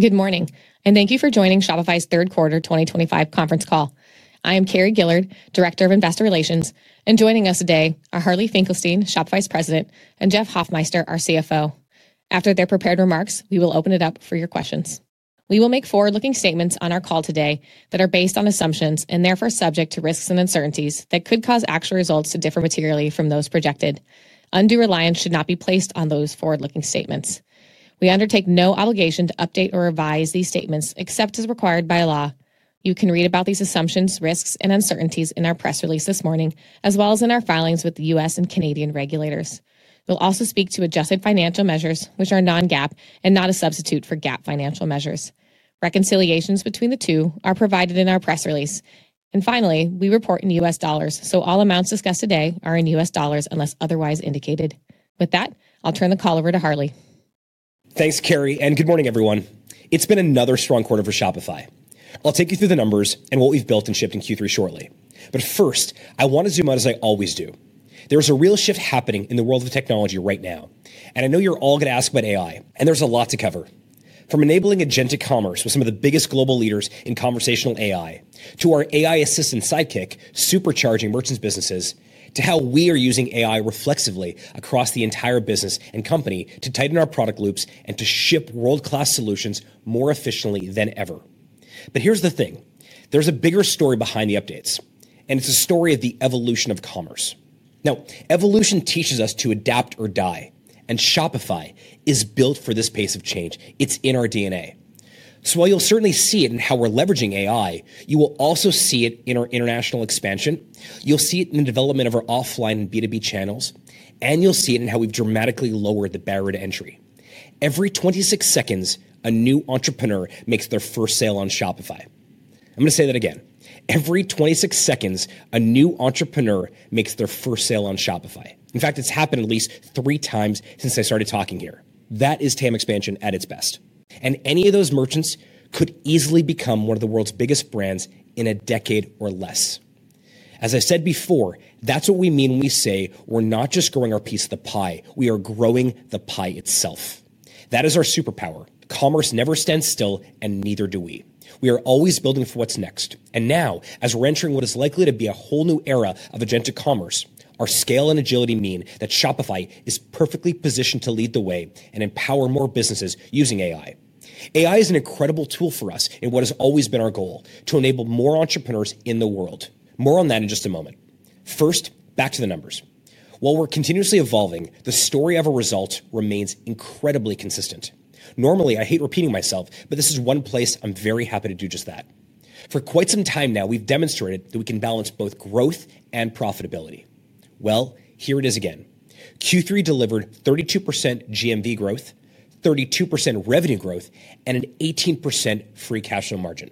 Good morning, and thank you for joining Shopify's Third Quarter 2025 conference call. I am Carrie Gillard, Director of Investor Relations, and joining us today are Harley Finkelstein, Shopify's President, and Jeff Hoffmeister, our CFO. After their prepared remarks, we will open it up for your questions. We will make forward-looking statements on our call today that are based on assumptions and therefore subject to risks and uncertainties that could cause actual results to differ materially from those projected. Undue reliance should not be placed on those forward-looking statements. We undertake no obligation to update or revise these statements except as required by law. You can read about these assumptions, risks, and uncertainties in our press release this morning, as well as in our filings with the U.S. and Canadian regulators. We'll also speak to adjusted financial measures, which are non-GAAP and not a substitute for GAAP financial measures. Reconciliations between the two are provided in our press release. And finally, we report in U.S. dollars, so all amounts discussed today are in U.S. dollars unless otherwise indicated. With that, I'll turn the call over to Harley. Thanks, Carrie, and good morning, everyone. It's been another strong quarter for Shopify. I'll take you through the numbers and what we've built and shipped in Q3 shortly. But first, I want to zoom out, as I always do. There's a real shift happening in the world of technology right now, and I know you're all going to ask about AI, and there's a lot to cover. From enabling agentic commerce with some of the biggest global leaders in conversational AI, to our AI assistant sidekick supercharging merchants' businesses, to how we are using AI reflexively across the entire business and company to tighten our product loops and to ship world-class solutions more efficiently than ever. But here's the thing: there's a bigger story behind the updates, and it's a story of the evolution of commerce. Now, evolution teaches us to adapt or die, and Shopify is built for this pace of change. It's in our DNA. So while you'll certainly see it in how we're leveraging AI, you will also see it in our international expansion. You'll see it in the development of our offline and B2B channels, and you'll see it in how we've dramatically lowered the barrier to entry. Every 26 seconds, a new entrepreneur makes their first sale on Shopify. I'm going to say that again: every 26 seconds, a new entrepreneur makes their first sale on Shopify. In fact, it's happened at least three times since I started talking here. That is TAM expansion at its best. And any of those merchants could easily become one of the world's biggest brands in a decade or less. As I said before, that's what we mean when we say we're not just growing our piece of the pie; we are growing the pie itself. That is our superpower. Commerce never stands still, and neither do we. We are always building for what's next. And now, as we're entering what is likely to be a whole new era of agentic commerce, our scale and agility mean that Shopify is perfectly positioned to lead the way and empower more businesses using AI. AI is an incredible tool for us in what has always been our goal: to enable more entrepreneurs in the world. More on that in just a moment. First, back to the numbers. While we're continuously evolving, the story of our results remains incredibly consistent. Normally, I hate repeating myself, but this is one place I'm very happy to do just that. For quite some time now, we've demonstrated that we can balance both growth and profitability. Well, here it is again. Q3 delivered 32% GMV growth, 32% revenue growth, and an 18% free cash flow margin.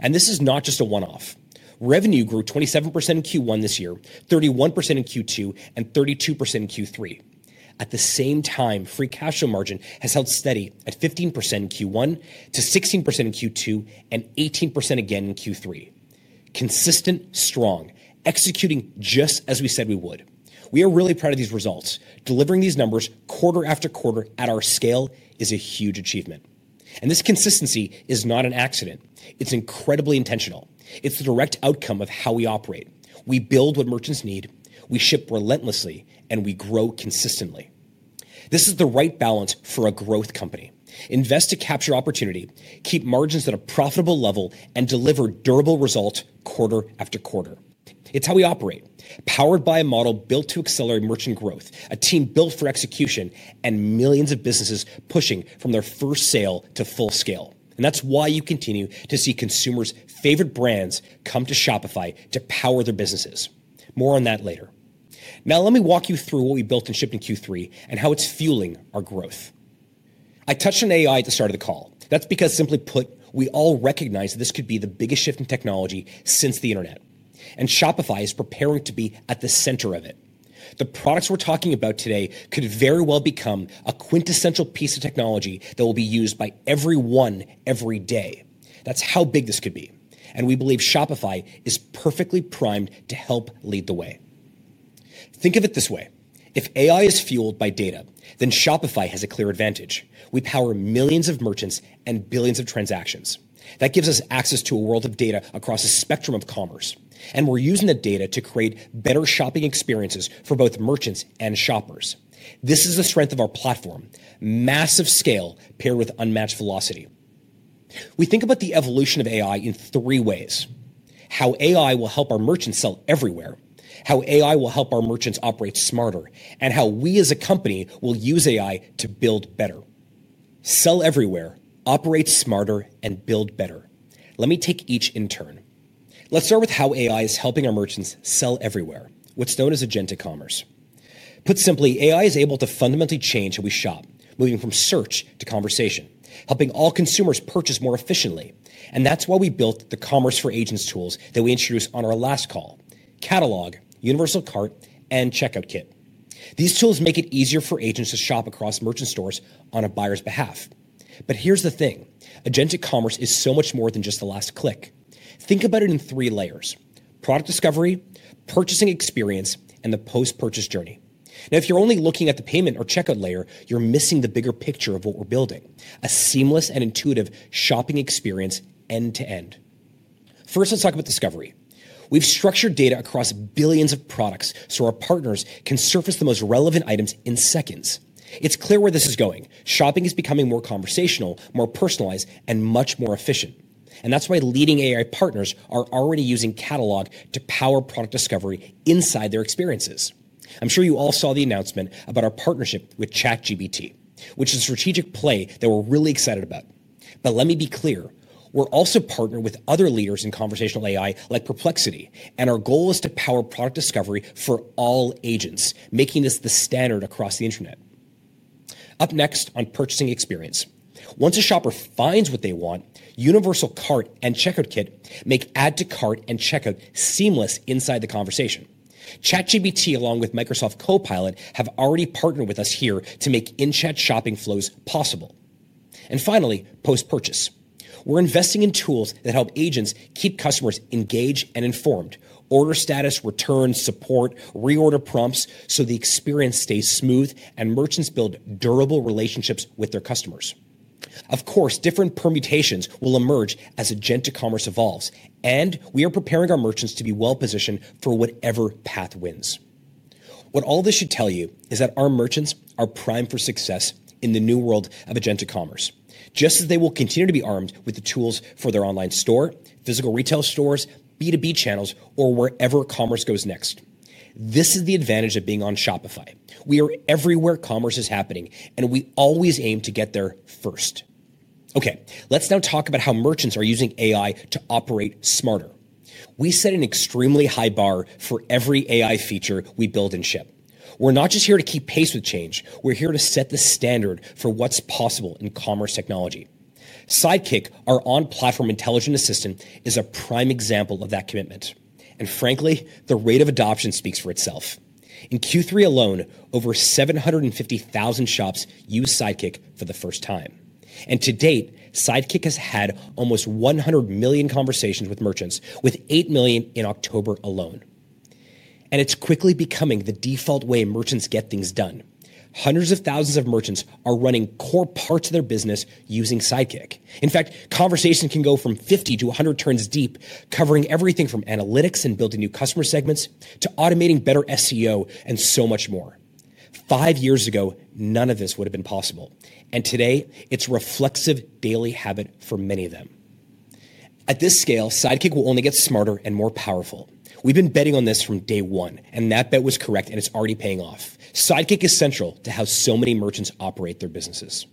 And this is not just a one-off. Revenue grew 27% in Q1 this year, 31% in Q2, and 32% in Q3. At the same time, free cash flow margin has held steady at 15% in Q1 to 16% in Q2 and 18% again in Q3. Consistent, strong, executing just as we said we would. We are really proud of these results. Delivering these numbers quarter after quarter at our scale is a huge achievement, and this consistency is not an accident. It's incredibly intentional. It's the direct outcome of how we operate. We build what merchants need, we ship relentlessly, and we grow consistently. This is the right balance for a growth company. Invest to capture opportunity, keep margins at a profitable level, and deliver durable results quarter after quarter. It's how we operate, powered by a model built to accelerate merchant growth, a team built for execution, and millions of businesses pushing from their first sale to full scale. That's why you continue to see consumers' favorite brands come to Shopify to power their businesses. More on that later. Now, let me walk you through what we built and shipped in Q3 and how it's fueling our growth. I touched on AI at the start of the call. That's because, simply put, we all recognize that this could be the biggest shift in technology since the internet, and Shopify is preparing to be at the center of it. The products we're talking about today could very well become a quintessential piece of technology that will be used by everyone every day. That's how big this could be, and we believe Shopify is perfectly primed to help lead the way. Think of it this way: if AI is fueled by data, then Shopify has a clear advantage. We power millions of merchants and billions of transactions. That gives us access to a world of data across a spectrum of commerce, and we're using that data to create better shopping experiences for both merchants and shoppers. This is the strength of our platform: massive scale paired with unmatched velocity. We think about the evolution of AI in three ways: how AI will help our merchants sell everywhere, how AI will help our merchants operate smarter, and how we as a company will use AI to build better. Sell everywhere, operate smarter, and build better. Let me take each in turn. Let's start with how AI is helping our merchants sell everywhere, what's known as agentic commerce. Put simply, AI is able to fundamentally change how we shop, moving from search to conversation, helping all consumers purchase more efficiently, and that's why we built the Commerce for Agents tools that we introduced on our last call: Catalog, Universal Cart, and Checkout Kit. These tools make it easier for agents to shop across merchant stores on a buyer's behalf, but here's the thing: agentic commerce is so much more than just the last click. Think about it in three layers: product discovery, purchasing experience, and the post-purchase journey. Now, if you're only looking at the payment or checkout layer, you're missing the bigger picture of what we're building: a seamless and intuitive shopping experience end to end. First, let's talk about discovery. We've structured data across billions of products so our partners can surface the most relevant items in seconds. It's clear where this is going. Shopping is becoming more conversational, more personalized, and much more efficient. And that's why leading AI partners are already using Catalog to power product discovery inside their experiences. I'm sure you all saw the announcement about our partnership with ChatGPT, which is a strategic play that we're really excited about. But let me be clear: we're also partnered with other leaders in conversational AI like Perplexity, and our goal is to power product discovery for all agents, making this the standard across the internet. Up next on purchasing experience, once a shopper finds what they want, Universal Cart and Checkout Kit make add-to-cart and checkout seamless inside the conversation. ChatGPT, along with Microsoft Copilot, have already partnered with us here to make in-chat shopping flows possible. And finally, post-purchase. We're investing in tools that help agents keep customers engaged and informed: order status, returns, support, reorder prompts, so the experience stays smooth and merchants build durable relationships with their customers. Of course, different permutations will emerge as agentic commerce evolves, and we are preparing our merchants to be well-positioned for whatever path wins. What all this should tell you is that our merchants are primed for success in the new world of agentic commerce, just as they will continue to be armed with the tools for their online store, physical retail stores, B2B channels, or wherever commerce goes next. This is the advantage of being on Shopify. We are everywhere commerce is happening, and we always aim to get there first. Okay, let's now talk about how merchants are using AI to operate smarter. We set an extremely high bar for every AI feature we build and ship. We're not just here to keep pace with change. We're here to set the standard for what's possible in commerce technology. Sidekick, our on-platform intelligent assistant, is a prime example of that commitment. And frankly, the rate of adoption speaks for itself. In Q3 alone, over 750,000 shops used Sidekick for the first time. And to date, Sidekick has had almost 100 million conversations with merchants, with 8 million in October alone. And it's quickly becoming the default way merchants get things done. Hundreds of thousands of merchants are running core parts of their business using Sidekick. In fact, conversations can go from 50-100 turns deep, covering everything from analytics and building new customer segments to automating better SEO and so much more. Five years ago, none of this would have been possible. And today, it's a reflexive daily habit for many of them. At this scale, Sidekick will only get smarter and more powerful. We've been betting on this from day one, and that bet was correct, and it's already paying off. Sidekick is central to how so many merchants operate their businesses.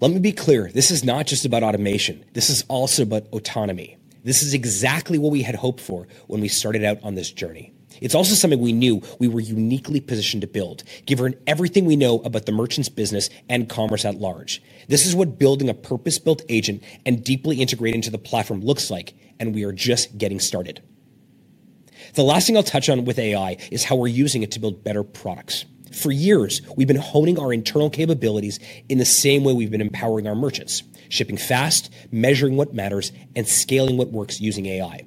Let me be clear: this is not just about automation; this is also about autonomy. This is exactly what we had hoped for when we started out on this journey. It's also something we knew we were uniquely positioned to build, given everything we know about the merchants' business and commerce at large. This is what building a purpose-built agent and deeply integrated into the platform looks like, and we are just getting started. The last thing I'll touch on with AI is how we're using it to build better products. For years, we've been honing our internal capabilities in the same way we've been empowering our merchants: shipping fast, measuring what matters, and scaling what works using AI.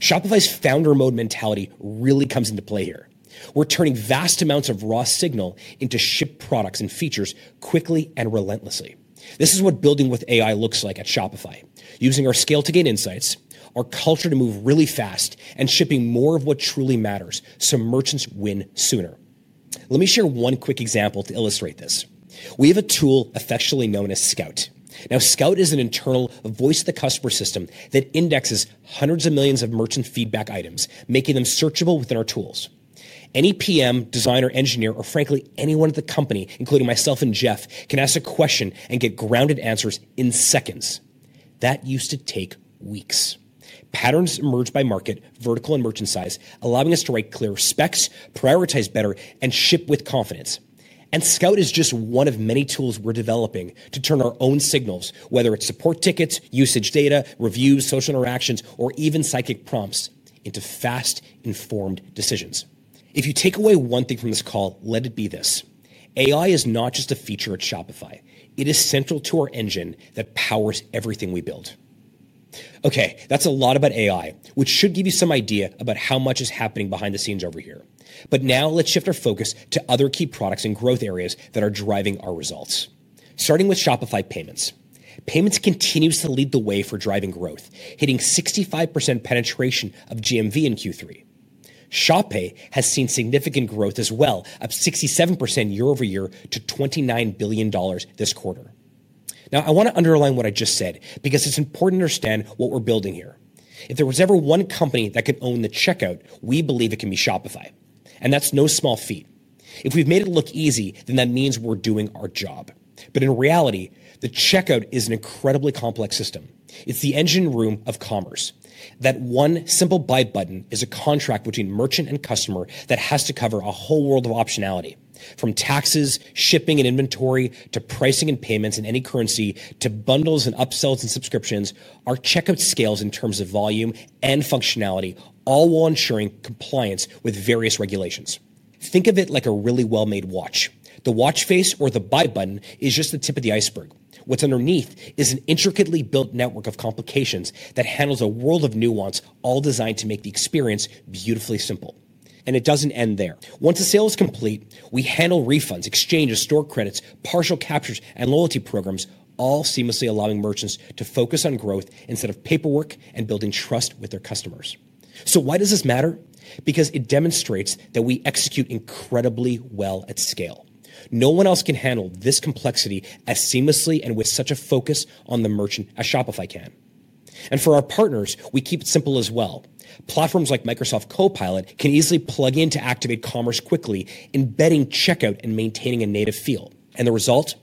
Shopify's founder-mode mentality really comes into play here. We're turning vast amounts of raw signal into shipped products and features quickly and relentlessly. This is what building with AI looks like at Shopify: using our scale to gain insights, our culture to move really fast, and shipping more of what truly matters so merchants win sooner. Let me share one quick example to illustrate this. We have a tool affectionately known as Scout. Now, Scout is an internal voice-to-the-customer system that indexes hundreds of millions of merchant feedback items, making them searchable within our tools. Any PM, designer, engineer, or frankly, anyone at the company, including myself and Jeff, can ask a question and get grounded answers in seconds. That used to take weeks. Patterns emerge by market, vertical, and merchant size, allowing us to write clearer specs, prioritize better, and ship with confidence. And Scout is just one of many tools we're developing to turn our own signals, whether it's support tickets, usage data, reviews, social interactions, or even psychic prompts, into fast, informed decisions. If you take away one thing from this call, let it be this: AI is not just a feature at Shopify. It is central to our engine that powers everything we build. Okay, that's a lot about AI, which should give you some idea about how much is happening behind the scenes over here. But now let's shift our focus to other key products and growth areas that are driving our results. Starting with Shopify Payments. Payments continues to lead the way for driving growth, hitting 65% penetration of GMV in Q3. ShopPay has seen significant growth as well, up 67% year-over-year to $29 billion this quarter. Now, I want to underline what I just said because it's important to understand what we're building here. If there was ever one company that could own the checkout, we believe it can be Shopify. And that's no small feat. If we've made it look easy, then that means we're doing our job. But in reality, the checkout is an incredibly complex system. It's the engine room of commerce. That one simple buy button is a contract between merchant and customer that has to cover a whole world of optionality, from taxes, shipping and inventory, to pricing and payments in any currency, to bundles and upsells and subscriptions. Our checkout scales in terms of volume and functionality, all while ensuring compliance with various regulations. Think of it like a really well-made watch. The watch face or the buy button is just the tip of the iceberg. What's underneath is an intricately built network of complications that handles a world of nuance, all designed to make the experience beautifully simple. And it doesn't end there. Once a sale is complete, we handle refunds, exchanges, store credits, partial captures, and loyalty programs, all seamlessly allowing merchants to focus on growth instead of paperwork and building trust with their customers. So why does this matter? Because it demonstrates that we execute incredibly well at scale. No one else can handle this complexity as seamlessly and with such a focus on the merchant as Shopify can. And for our partners, we keep it simple as well. Platforms like Microsoft Copilot can easily plug in to activate commerce quickly, embedding checkout and maintaining a native feel. And the result?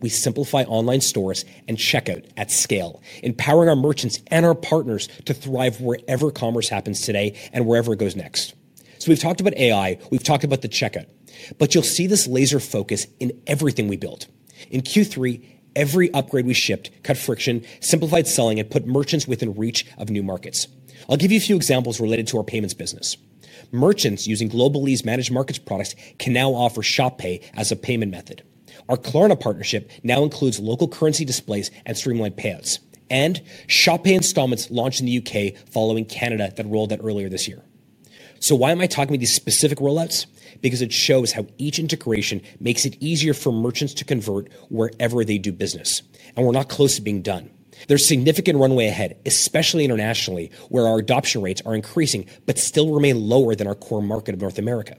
We simplify online stores and checkout at scale, empowering our merchants and our partners to thrive wherever commerce happens today and wherever it goes next. So we've talked about AI, we've talked about the checkout, but you'll see this laser focus in everything we built. In Q3, every upgrade we shipped cut friction, simplified selling, and put merchants within reach of new markets. I'll give you a few examples related to our payments business. Merchants using Global Leads Managed Markets products can now offer ShopPay as a payment method. Our Klarna partnership now includes local currency displays and streamlined payouts. And ShopPay installments launched in the UK, following Canada that rolled out earlier this year. So why am I talking about these specific rollouts? Because it shows how each integration makes it easier for merchants to convert wherever they do business. And we're not close to being done. There's significant runway ahead, especially internationally, where our adoption rates are increasing but still remain lower than our core market of North America.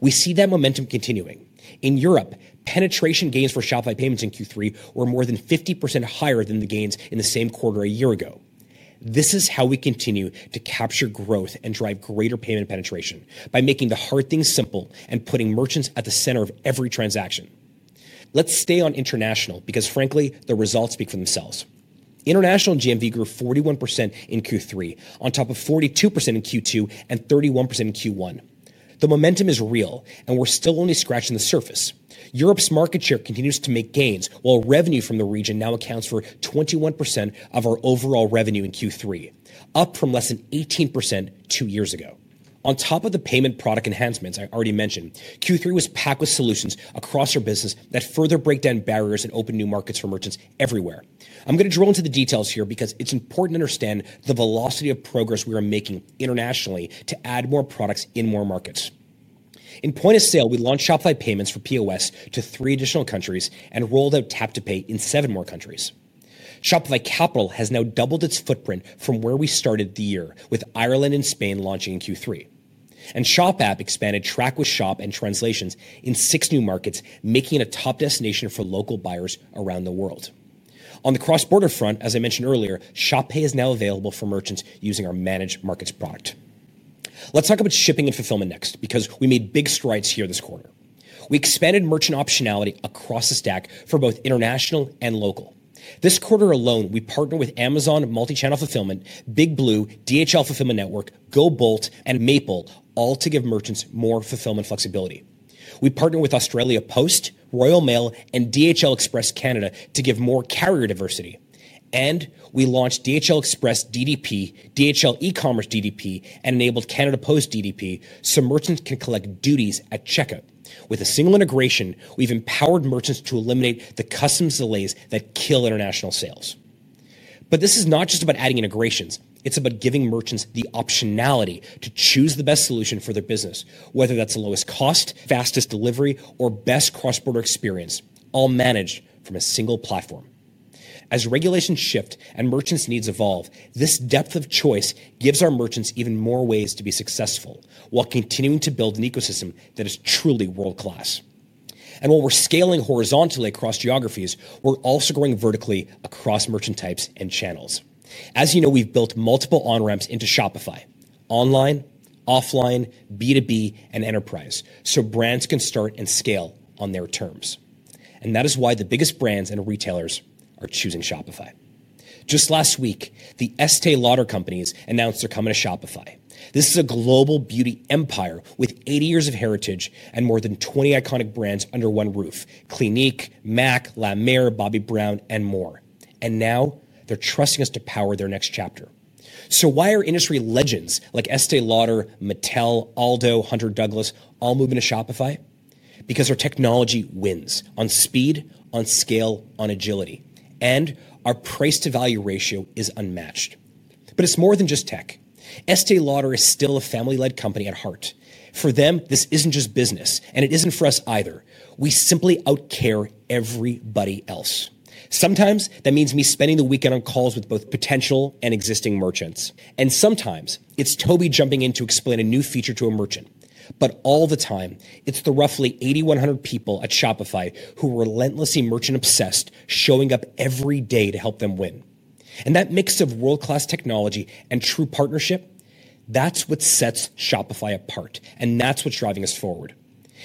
We see that momentum continuing. In Europe, penetration gains for Shopify Payments in Q3 were more than 50% higher than the gains in the same quarter a year ago. This is how we continue to capture growth and drive greater payment penetration by making the hard things simple and putting merchants at the center of every transaction. Let's stay on international because, frankly, the results speak for themselves. International GMV grew 41% in Q3, on top of 42% in Q2 and 31% in Q1. The momentum is real, and we're still only scratching the surface. Europe's market share continues to make gains, while revenue from the region now accounts for 21% of our overall revenue in Q3, up from less than 18% two years ago. On top of the payment product enhancements I already mentioned, Q3 was packed with solutions across our business that further break down barriers and open new markets for merchants everywhere. I'm going to drill into the details here because it's important to understand the velocity of progress we are making internationally to add more products in more markets. In point of sale, we launched Shopify Payments for POS to three additional countries and rolled out Tap to Pay in seven more countries. Shopify Capital has now doubled its footprint from where we started the year, with Ireland and Spain launching in Q3, and Shop App expanded Track with Shop and Translations in six new markets, making it a top destination for local buyers around the world. On the cross-border front, as I mentioned earlier, ShopPay is now available for merchants using our Managed Markets product. Let's talk about shipping and fulfillment next because we made big strides here this quarter. We expanded merchant optionality across the stack for both international and local. This quarter alone, we partnered with Amazon Multichannel Fulfillment, Big Blue, DHL Fulfillment Network, GoBolt, and Maple, all to give merchants more fulfillment flexibility. We partnered with Australia Post, Royal Mail, and DHL Express Canada to give more carrier diversity, and we launched DHL Express DDP, DHL E-commerce DDP, and enabled Canada Post DDP so merchants can collect duties at checkout. With a single integration, we've empowered merchants to eliminate the customs delays that kill international sales, but this is not just about adding integrations. It's about giving merchants the optionality to choose the best solution for their business, whether that's the lowest cost, fastest delivery, or best cross-border experience, all managed from a single platform. As regulations shift and merchants' needs evolve, this depth of choice gives our merchants even more ways to be successful while continuing to build an ecosystem that is truly world-class. And while we're scaling horizontally across geographies, we're also growing vertically across merchant types and channels. As you know, we've built multiple on-ramps into Shopify: online, offline, B2B, and enterprise, so brands can start and scale on their terms. And that is why the biggest brands and retailers are choosing Shopify. Just last week, the Estée Lauder Companies announced they're coming to Shopify. This is a global beauty empire with 80 years of heritage and more than 20 iconic brands under one roof: Clinique, MAC, La Mer, Bobbi Brown, and more. And now they're trusting us to power their next chapter, so why are industry legends like Estée Lauder, Mattel, Aldo, Hunter Douglas all moving to Shopify? Because our technology wins on speed, on scale, on agility, and our price-to-value ratio is unmatched, but it's more than just tech. Estée Lauder is still a family-led company at heart. For them, this isn't just business, and it isn't for us either. We simply outcare everybody else. Sometimes that means me spending the weekend on calls with both potential and existing merchants. And sometimes it's Toby jumping in to explain a new feature to a merchant. But all the time, it's the roughly 8,100 people at Shopify who are relentlessly merchant-obsessed, showing up every day to help them win. And that mix of world-class technology and true partnership, that's what sets Shopify apart, and that's what's driving us forward.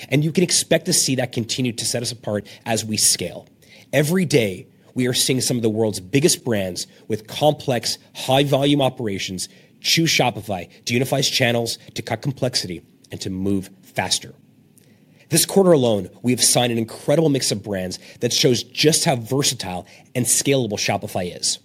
And you can expect to see that continue to set us apart as we scale. Every day, we are seeing some of the world's biggest brands with complex, high-volume operations choose Shopify to unify its channels, to cut complexity, and to move faster. This quarter alone, we have signed an incredible mix of brands that shows just how versatile and scalable Shopify is: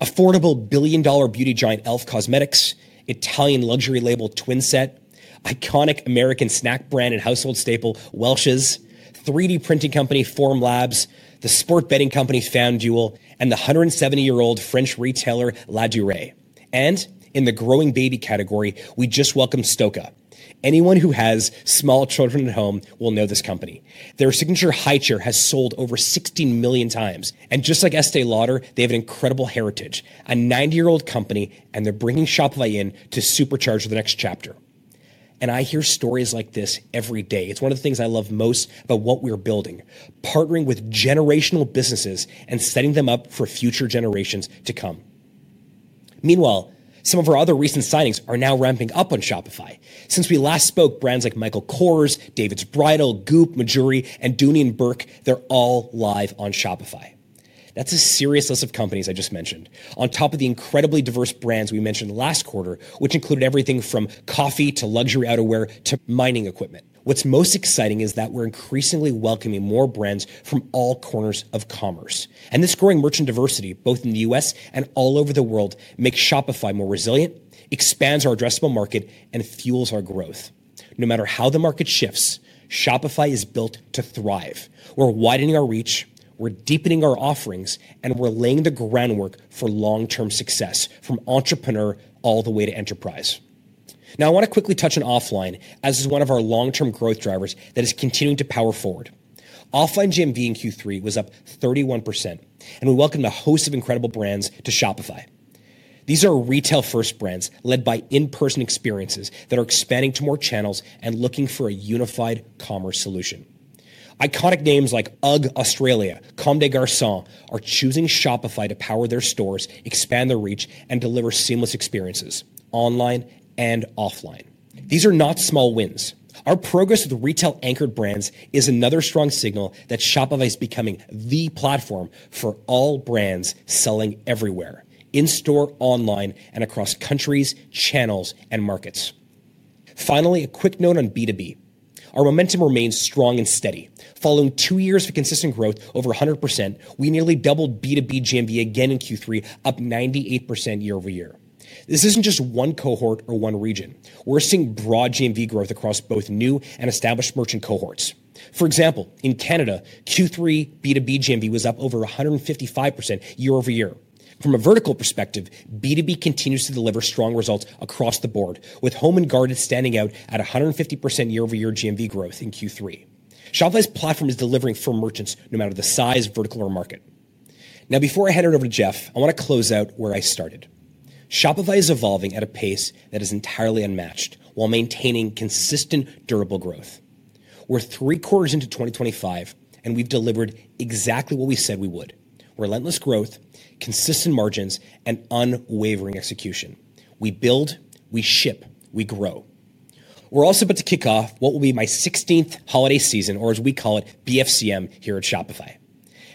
affordable billion-dollar beauty giant e.l.f. Cosmetics, Italian luxury label Twinset, iconic American snack brand and household staple Welch's, 3D printing company Formlabs, the sports betting company FanDuel, and the 170-year-old French retailer Ladurée. And in the growing baby category, we just welcomed Stokke. Anyone who has small children at home will know this company. Their signature high chair has sold over 16 million times. And just like Estée Lauder, they have an incredible heritage, a 90-year-old company, and they're bringing Shopify in to supercharge the next chapter. And I hear stories like this every day. It's one of the things I love most about what we're building: partnering with generational businesses and setting them up for future generations to come. Meanwhile, some of our other recent signings are now ramping up on Shopify. Since we last spoke, brands like Michael Kors, David's Bridal, Goop, Mejuri, and Dooney & Burke, they're all live on Shopify. That's a serious list of companies I just mentioned, on top of the incredibly diverse brands we mentioned last quarter, which included everything from coffee to luxury outerwear to mining equipment. What's most exciting is that we're increasingly welcoming more brands from all corners of commerce. And this growing merchant diversity, both in the U.S. and all over the world, makes Shopify more resilient, expands our addressable market, and fuels our growth. No matter how the market shifts, Shopify is built to thrive. We're widening our reach, we're deepening our offerings, and we're laying the groundwork for long-term success from entrepreneur all the way to enterprise. Now, I want to quickly touch on offline, as it's one of our long-term growth drivers that is continuing to power forward. Offline GMV in Q3 was up 31%, and we welcomed a host of incredible brands to Shopify. These are retail-first brands led by in-person experiences that are expanding to more channels and looking for a unified commerce solution. Iconic names like UGG Australia, Comme des Garçons are choosing Shopify to power their stores, expand their reach, and deliver seamless experiences online and offline. These are not small wins. Our progress with retail-anchored brands is another strong signal that Shopify is becoming the platform for all brands selling everywhere: in-store, online, and across countries, channels, and markets. Finally, a quick note on B2B. Our momentum remains strong and steady. Following two years of consistent growth over 100%, we nearly doubled B2B GMV again in Q3, up 98% year-over-year. This isn't just one cohort or one region. We're seeing broad GMV growth across both new and established merchant cohorts. For example, in Canada, Q3 B2B GMV was up over 155% year-over-year. From a vertical perspective, B2B continues to deliver strong results across the board, with Home and Garden standing out at 150% year-over-year GMV growth in Q3. Shopify's platform is delivering for merchants no matter the size, vertical, or market. Now, before I hand it over to Jeff, I want to close out where I started. Shopify is evolving at a pace that is entirely unmatched while maintaining consistent, durable growth. We're three quarters into 2025, and we've delivered exactly what we said we would: relentless growth, consistent margins, and unwavering execution. We build, we ship, we grow. We're also about to kick off what will be my 16th holiday season, or as we call it, BFCM here at Shopify.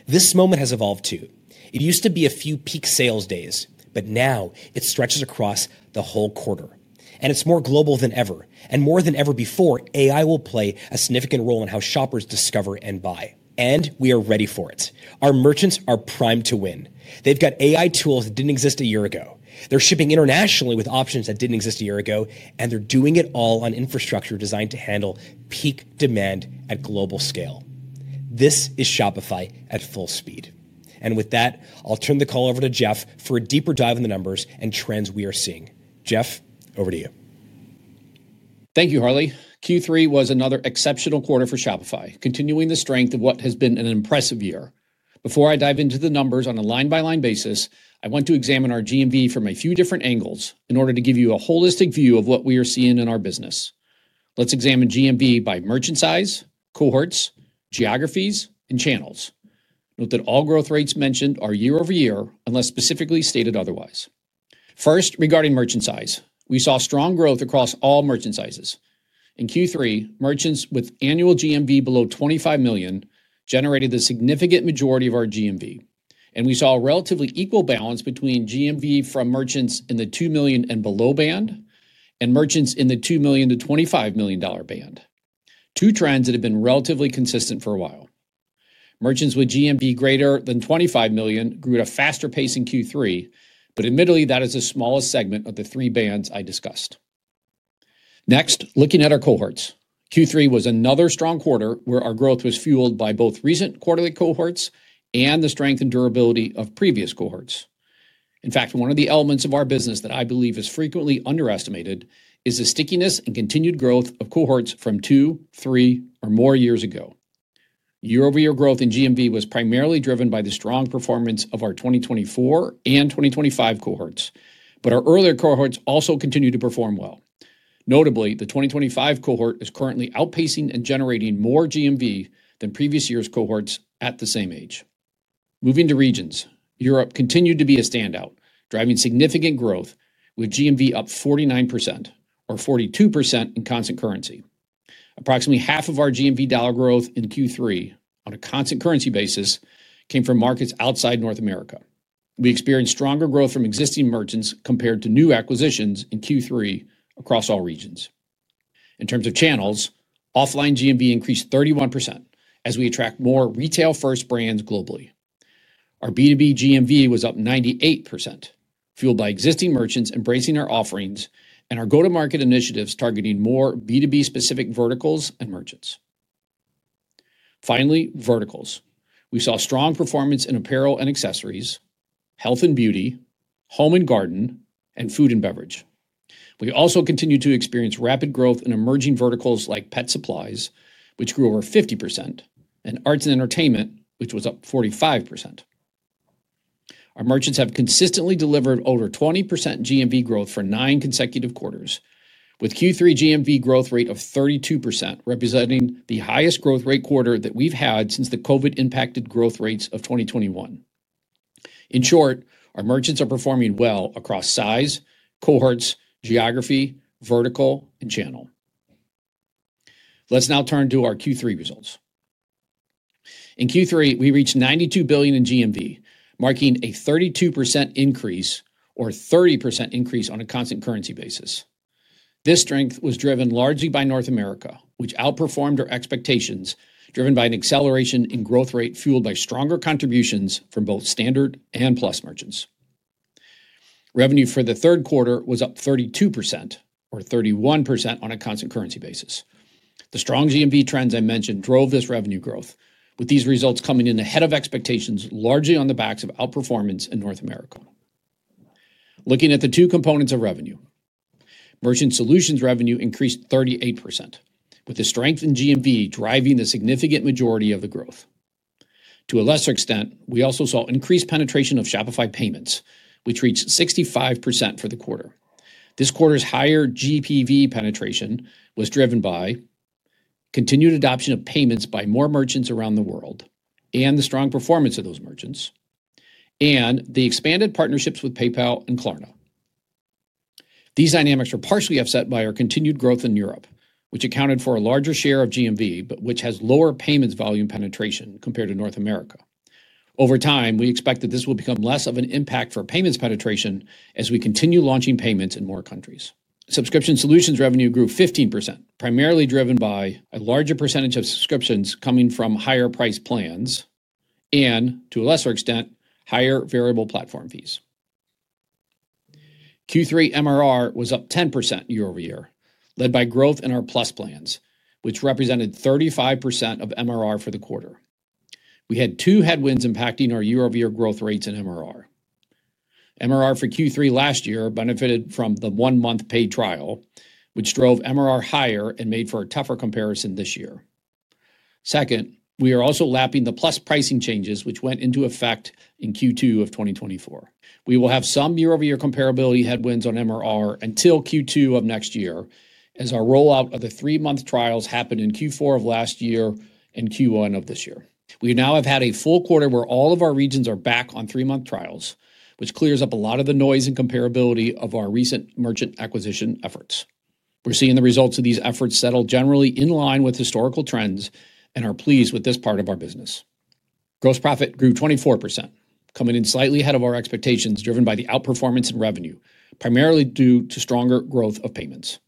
This moment has evolved too. It used to be a few peak sales days, but now it stretches across the whole quarter, and it's more global than ever, and more than ever before, AI will play a significant role in how shoppers discover and buy, and we are ready for it. Our merchants are primed to win. They've got AI tools that didn't exist a year ago. They're shipping internationally with options that didn't exist a year ago, and they're doing it all on infrastructure designed to handle peak demand at global scale. This is Shopify at full speed, and with that, I'll turn the call over to Jeff for a deeper dive in the numbers and trends we are seeing. Jeff, over to you. Thank you, Harley. Q3 was another exceptional quarter for Shopify, continuing the strength of what has been an impressive year. Before I dive into the numbers on a line-by-line basis, I want to examine our GMV from a few different angles in order to give you a holistic view of what we are seeing in our business. Let's examine GMV by merchant size, cohorts, geographies, and channels. Note that all growth rates mentioned are year-over-year unless specifically stated otherwise. First, regarding merchant size, we saw strong growth across all merchant sizes. In Q3, merchants with annual GMV below $25 million generated the significant majority of our GMV. And we saw a relatively equal balance between GMV from merchants in the $2 million and below band and merchants in the $2 million to $25 million band, two trends that have been relatively consistent for a while. Merchants with GMV greater than $25 million grew at a faster pace in Q3, but admittedly, that is the smallest segment of the three bands I discussed. Next, looking at our cohorts, Q3 was another strong quarter where our growth was fueled by both recent quarterly cohorts and the strength and durability of previous cohorts. In fact, one of the elements of our business that I believe is frequently underestimated is the stickiness and continued growth of cohorts from two, three, or more years ago. Year-over-year growth in GMV was primarily driven by the strong performance of our 2024 and 2025 cohorts, but our earlier cohorts also continued to perform well. Notably, the 2025 cohort is currently outpacing and generating more GMV than previous year's cohorts at the same age. Moving to regions, Europe continued to be a standout, driving significant growth with GMV up 49%, or 42% in constant currency. Approximately half of our GMV dollar growth in Q3 on a constant currency basis came from markets outside North America. We experienced stronger growth from existing merchants compared to new acquisitions in Q3 across all regions. In terms of channels, offline GMV increased 31% as we attract more retail-first brands globally. Our B2B GMV was up 98%, fueled by existing merchants embracing our offerings and our go-to-market initiatives targeting more B2B-specific verticals and merchants. Finally, verticals. We saw strong performance in apparel and accessories, health and beauty, home and garden, and food and beverage. We also continue to experience rapid growth in emerging verticals like pet supplies, which grew over 50%, and arts and entertainment, which was up 45%. Our merchants have consistently delivered over 20% GMV growth for nine consecutive quarters, with Q3 GMV growth rate of 32%, representing the highest growth rate quarter that we've had since the COVID-impacted growth rates of 2021. In short, our merchants are performing well across size, cohorts, geography, vertical, and channel. Let's now turn to our Q3 results. In Q3, we reached $92 billion in GMV, marking a 32% increase, or 30% increase on a constant currency basis. This strength was driven largely by North America, which outperformed our expectations, driven by an acceleration in growth rate fueled by stronger contributions from both standard and plus merchants. Revenue for the third quarter was up 32%, or 31% on a constant currency basis. The strong GMV trends I mentioned drove this revenue growth, with these results coming in ahead of expectations, largely on the backs of outperformance in North America. Looking at the two components of revenue, merchant solutions revenue increased 38%, with the strength in GMV driving the significant majority of the growth. To a lesser extent, we also saw increased penetration of Shopify Payments, which reached 65% for the quarter. This quarter's higher GPV penetration was driven by continued adoption of payments by more merchants around the world and the strong performance of those merchants, and the expanded partnerships with PayPal and Klarna. These dynamics were partially offset by our continued growth in Europe, which accounted for a larger share of GMV, but which has lower payments volume penetration compared to North America. Over time, we expect that this will become less of an impact for payments penetration as we continue launching payments in more countries. Subscription solutions revenue grew 15%, primarily driven by a larger percentage of subscriptions coming from higher price plans and, to a lesser extent, higher variable platform fees. Q3 MRR was up 10% year-over-year, led by growth in our plus plans, which represented 35% of MRR for the quarter. We had two headwinds impacting our year-over-year growth rates in MRR. MRR for Q3 last year benefited from the one-month paid trial, which drove MRR higher and made for a tougher comparison this year. Second, we are also lapping the plus pricing changes, which went into effect in Q2 of 2024. We will have some year-over-year comparability headwinds on MRR until Q2 of next year, as our rollout of the three-month trials happened in Q4 of last year and Q1 of this year. We now have had a full quarter where all of our regions are back on three-month trials, which clears up a lot of the noise and comparability of our recent merchant acquisition efforts. We're seeing the results of these efforts settle generally in line with historical trends and are pleased with this part of our business. Gross profit grew 24%, coming in slightly ahead of our expectations, driven by the outperformance in revenue, primarily due to stronger growth of payments.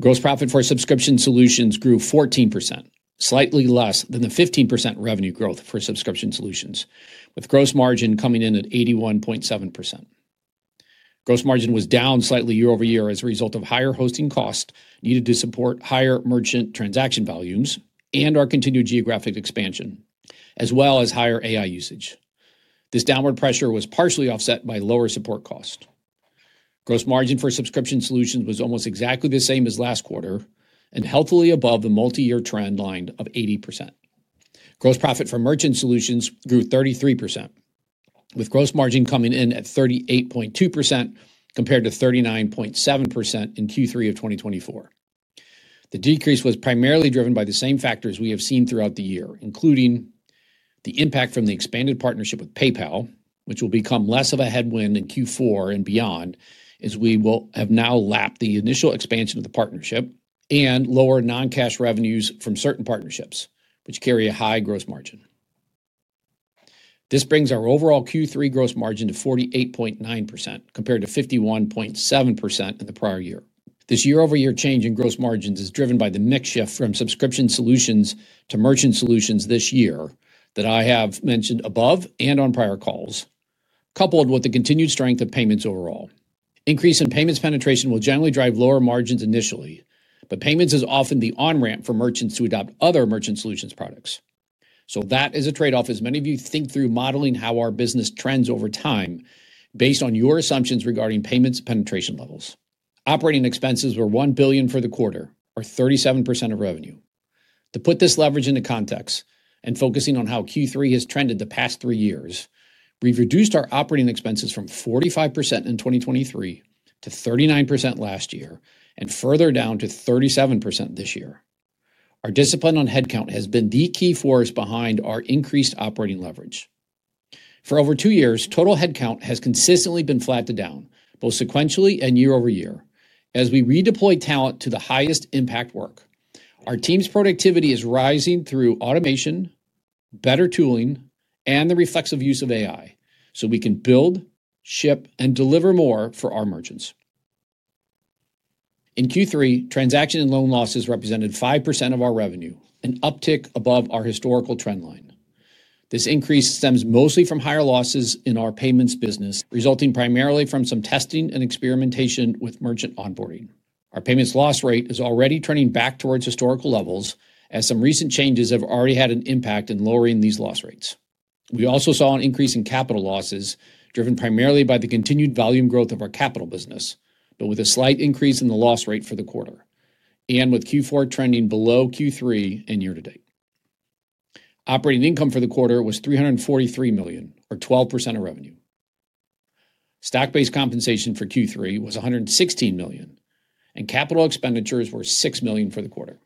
Gross profit for subscription solutions grew 14%, slightly less than the 15% revenue growth for subscription solutions, with gross margin coming in at 81.7%. Gross margin was down slightly year-over-year as a result of higher hosting costs needed to support higher merchant transaction volumes and our continued geographic expansion, as well as higher AI usage. This downward pressure was partially offset by lower support cost. Gross margin for subscription solutions was almost exactly the same as last quarter and healthily above the multi-year trend line of 80%. Gross profit for merchant solutions grew 33%. With gross margin coming in at 38.2% compared to 39.7% in Q3 of 2023. The decrease was primarily driven by the same factors we have seen throughout the year, including the impact from the expanded partnership with PayPal, which will become less of a headwind in Q4 and beyond, as we will have now lapped the initial expansion of the partnership and lower non-cash revenues from certain partnerships, which carry a high gross margin. This brings our overall Q3 gross margin to 48.9% compared to 51.7% in the prior year. This year-over-year change in gross margins is driven by the mix shift from subscription solutions to merchant solutions this year that I have mentioned above and on prior calls, coupled with the continued strength of payments overall. Increase in payments penetration will generally drive lower margins initially, but payments is often the on-ramp for merchants to adopt other merchant solutions products. So that is a trade-off, as many of you think through modeling how our business trends over time based on your assumptions regarding payments penetration levels. Operating expenses were $1 billion for the quarter, or 37% of revenue. To put this leverage into context and focusing on how Q3 has trended the past three years, we've reduced our operating expenses from 45% in 2023 to 39% last year and further down to 37% this year. Our discipline on headcount has been the key force behind our increased operating leverage. For over two years, total headcount has consistently been flat to down, both sequentially and year-over-year, as we redeploy talent to the highest impact work. Our team's productivity is rising through automation, better tooling, and the reflexive use of AI, so we can build, ship, and deliver more for our merchants. In Q3, transaction and loan losses represented 5% of our revenue, an uptick above our historical trend line. This increase stems mostly from higher losses in our payments business, resulting primarily from some testing and experimentation with merchant onboarding. Our payments loss rate is already turning back towards historical levels, as some recent changes have already had an impact in lowering these loss rates. We also saw an increase in capital losses driven primarily by the continued volume growth of our capital business, but with a slight increase in the loss rate for the quarter, and with Q4 trending below Q3 in year-to-date. Operating income for the quarter was $343 million, or 12% of revenue. Stock-based compensation for Q3 was $116 million, and capital expenditures were $6 million for the quarter.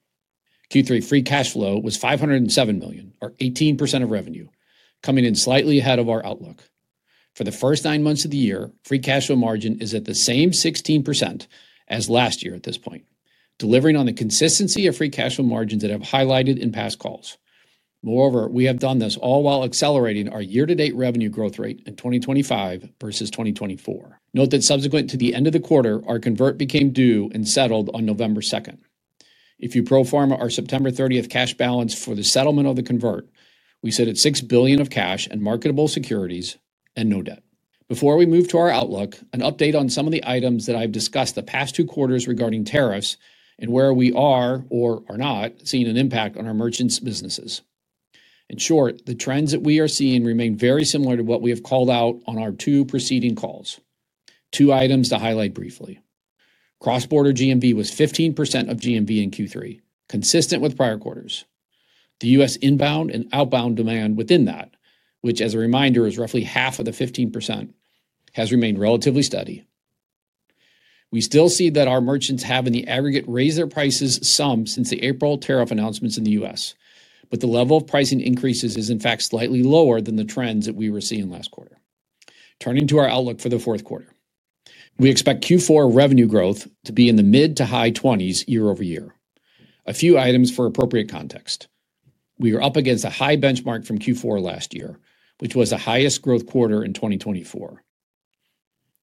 Q3 free cash flow was $507 million, or 18% of revenue, coming in slightly ahead of our outlook. For the first nine months of the year, free cash flow margin is at the same 16% as last year at this point, delivering on the consistency of free cash flow margins that I've highlighted in past calls. Moreover, we have done this all while accelerating our year-to-date revenue growth rate in 2025 versus 2024. Note that subsequent to the end of the quarter, our convert became due and settled on November 2nd. If you pro forma our September 30th cash balance for the settlement of the convert, we sit at $6 billion of cash and marketable securities and no debt. Before we move to our outlook, an update on some of the items that I've discussed the past two quarters regarding tariffs and where we are, or are not, seeing an impact on our merchants' businesses. In short, the trends that we are seeing remain very similar to what we have called out on our two preceding calls. Two items to highlight briefly. Cross-border GMV was 15% of GMV in Q3, consistent with prior quarters. The U.S. inbound and outbound demand within that, which, as a reminder, is roughly half of the 15%, has remained relatively steady. We still see that our merchants have in the aggregate raised their prices some since the April tariff announcements in the U.S., but the level of pricing increases is, in fact, slightly lower than the trends that we were seeing last quarter. Turning to our outlook for the fourth quarter, we expect Q4 revenue growth to be in the mid- to high-20s% year-over-year. A few items for appropriate context. We are up against a high benchmark from Q4 last year, which was the highest growth quarter in 2024.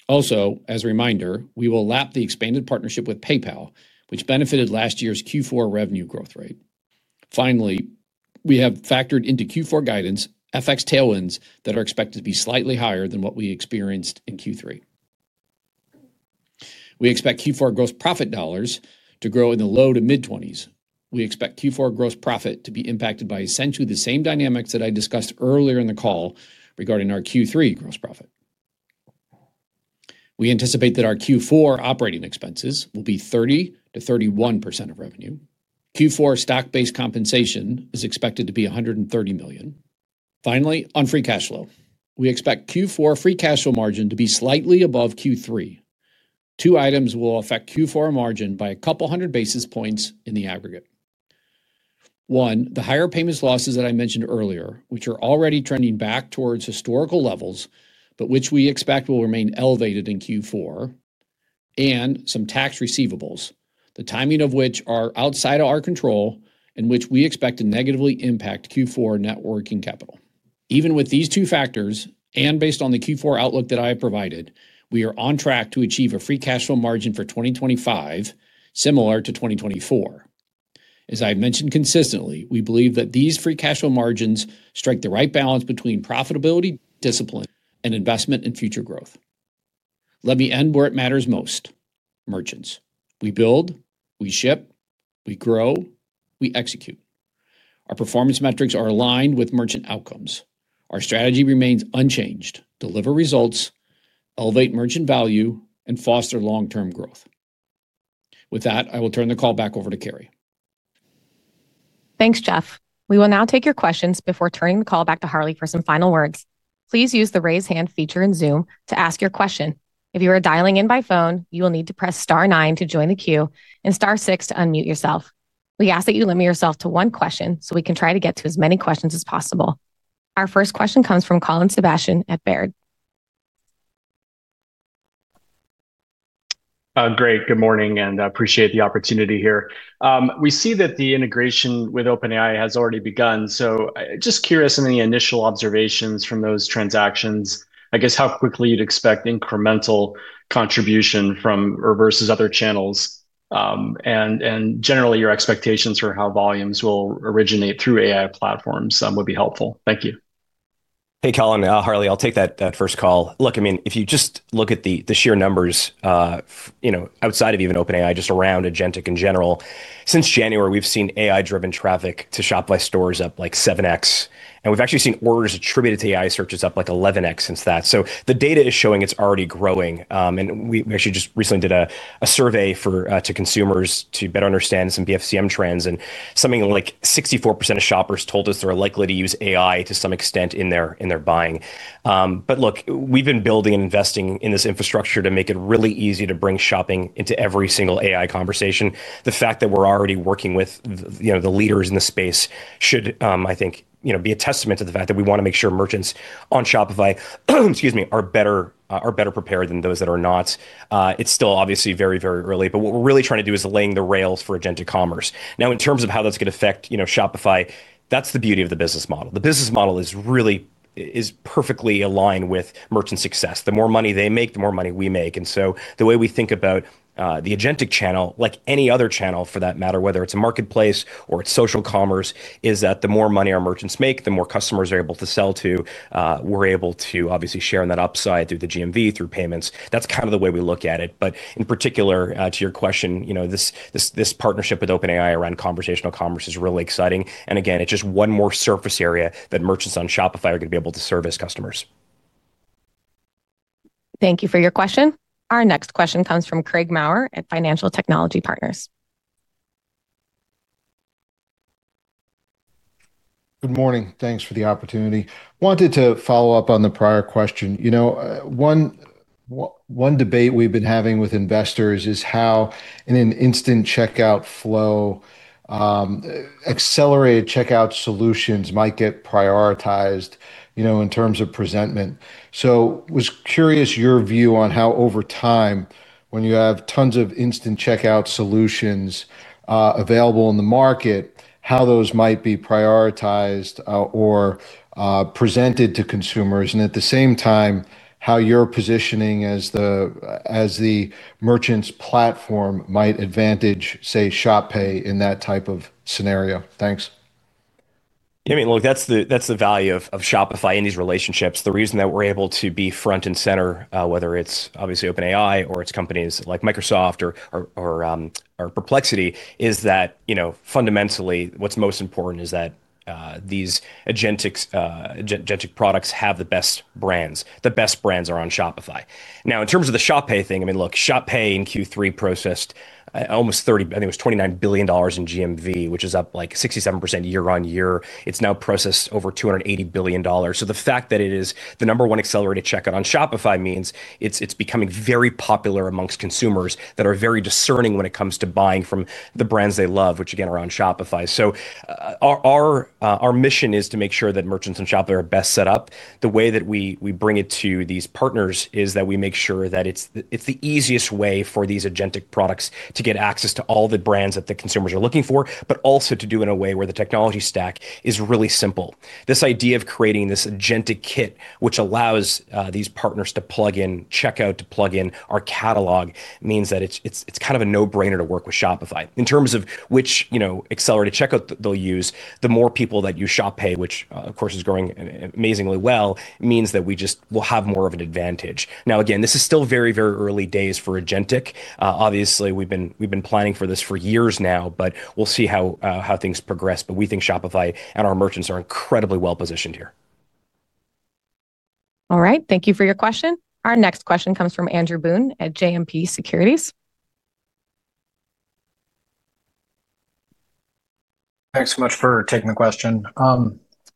Also, as a reminder, we will lap the expanded partnership with PayPal, which benefited last year's Q4 revenue growth rate. Finally, we have factored into Q4 guidance FX tailwinds that are expected to be slightly higher than what we experienced in Q3. We expect Q4 gross profit dollars to grow in the low- to mid-20s%. We expect Q4 gross profit to be impacted by essentially the same dynamics that I discussed earlier in the call regarding our Q3 gross profit. We anticipate that our Q4 operating expenses will be 30%-31% of revenue. Q4 stock-based compensation is expected to be $130 million. Finally, on free cash flow, we expect Q4 free cash flow margin to be slightly above Q3. Two items will affect Q4 margin by a couple hundred basis points in the aggregate. One, the higher payments losses that I mentioned earlier, which are already trending back towards historical levels, but which we expect will remain elevated in Q4. And some tax receivables, the timing of which are outside of our control and which we expect to negatively impact Q4 net working capital. Even with these two factors and based on the Q4 outlook that I have provided, we are on track to achieve a free cash flow margin for 2025 similar to 2024. As I've mentioned consistently, we believe that these free cash flow margins strike the right balance between profitability, discipline, and investment in future growth. Let me end where it matters most: merchants. We build, we ship, we grow, we execute. Our performance metrics are aligned with merchant outcomes. Our strategy remains unchanged: deliver results, elevate merchant value, and foster long-term growth. With that, I will turn the call back over to Carrie. Thanks, Jeff. We will now take your questions before turning the call back to Harley for some final words. Please use the raise hand feature in Zoom to ask your question. If you are dialing in by phone, you will need to press star nine to join the queue and star six to unmute yourself. We ask that you limit yourself to one question so we can try to get to as many questions as possible. Our first question comes from Colin Sebastian at Baird. Great. Good morning, and I appreciate the opportunity here. We see that the integration with OpenAI has already begun. So just curious, in the initial observations from those transactions, I guess how quickly you'd expect incremental contribution from or versus other channels. And generally, your expectations for how volumes will originate through AI platforms would be helpful. Thank you. Hey, Colin, Harley, I'll take that first call. Look, I mean, if you just look at the sheer numbers. Outside of even OpenAI, just around Agentic in general, since January, we've seen AI-driven traffic to Shopify stores up like 7x. And we've actually seen orders attributed to AI searches up like 11x since that. So the data is showing it's already growing. And we actually just recently did a survey to consumers to better understand some BFCM trends. And something like 64% of shoppers told us they're likely to use AI to some extent in their buying. But look, we've been building and investing in this infrastructure to make it really easy to bring shopping into every single AI conversation. The fact that we're already working with the leaders in the space should, I think, be a testament to the fact that we want to make sure merchants on Shopify, excuse me, are better prepared than those that are not. It's still obviously very, very early. But what we're really trying to do is laying the rails for Agentic Commerce. Now, in terms of how that's going to affect Shopify, that's the beauty of the business model. The business model is perfectly aligned with merchant success. The more money they make, the more money we make. And so the way we think about the Agentic channel, like any other channel for that matter, whether it's a marketplace or it's social commerce, is that the more money our merchants make, the more customers are able to sell to, we're able to obviously share in that upside through the GMV, through payments. That's kind of the way we look at it. But in particular, to your question, this partnership with OpenAI around conversational commerce is really exciting. And again, it's just one more surface area that merchants on Shopify are going to be able to service customers. Thank you for your question. Our next question comes from Craig Maurer at Financial Technology Partners. Good morning. Thanks for the opportunity. Wanted to follow up on the prior question. One debate we've been having with investors is how an instant checkout flow, accelerated checkout solutions might get prioritized in terms of presentment. So I was curious your view on how over time, when you have tons of instant checkout solutions available in the market, how those might be prioritized or presented to consumers. And at the same time, how your positioning as the merchant's platform might advantage, say, ShopPay in that type of scenario. Thanks. Yeah, I mean, look, that's the value of Shopify and these relationships. The reason that we're able to be front and center, whether it's obviously OpenAI or it's companies like Microsoft or Perplexity, is that fundamentally, what's most important is that these agentic products have the best brands. The best brands are on Shopify. Now, in terms of the ShopPay thing, I mean, look, ShopPay in Q3 processed almost $30, I think it was $29 billion in GMV, which is up like 67% year-on-year. It's now processed over $280 billion. So the fact that it is the number one accelerated checkout on Shopify means it's becoming very popular amongst consumers that are very discerning when it comes to buying from the brands they love, which again, are on Shopify. So our mission is to make sure that merchants and shoppers are best set up. The way that we bring it to these partners is that we make sure that it's the easiest way for these agentic products to get access to all the brands that the consumers are looking for, but also to do in a way where the technology stack is really simple. This idea of creating this agentic kit, which allows these partners to plug in, checkout to plug in our catalog, means that it's kind of a no-brainer to work with Shopify. In terms of which accelerated checkout they'll use, the more people that use ShopPay, which, of course, is growing amazingly well, means that we just will have more of an advantage. Now, again, this is still very, very early days for agentic. Obviously, we've been planning for this for years now, but we'll see how things progress. But we think Shopify and our merchants are incredibly well-positioned here. All right. Thank you for your question. Our next question comes from Andrew Boone at JMP Securities. Thanks so much for taking the question.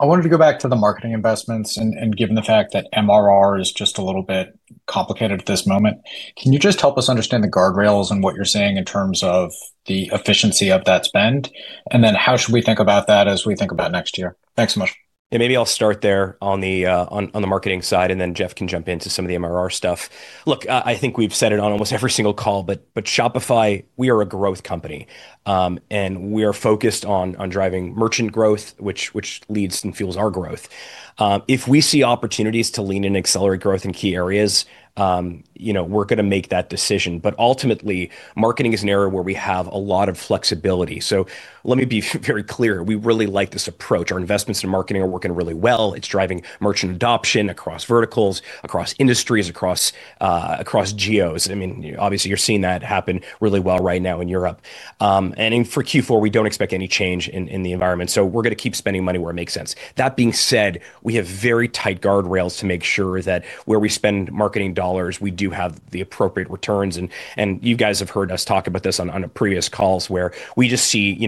I wanted to go back to the marketing investments and given the fact that MRR is just a little bit complicated at this moment. Can you just help us understand the guardrails and what you're seeing in terms of the efficiency of that spend? And then how should we think about that as we think about next year? Thanks so much. Yeah, maybe I'll start there on the marketing side, and then Jeff can jump into some of the MRR stuff. Look, I think we've said it on almost every single call, but Shopify, we are a growth company and we are focused on driving merchant growth, which leads and fuels our growth. If we see opportunities to lean and accelerate growth in key areas, we're going to make that decision. But ultimately, marketing is an area where we have a lot of flexibility. So let me be very clear. We really like this approach. Our investments in marketing are working really well. It's driving merchant adoption across verticals, across industries, across geos. I mean, obviously, you're seeing that happen really well right now in Europe. For Q4, we don't expect any change in the environment. So we're going to keep spending money where it makes sense. That being said, we have very tight guardrails to make sure that where we spend marketing dollars, we do have the appropriate returns. You guys have heard us talk about this on previous calls where we just see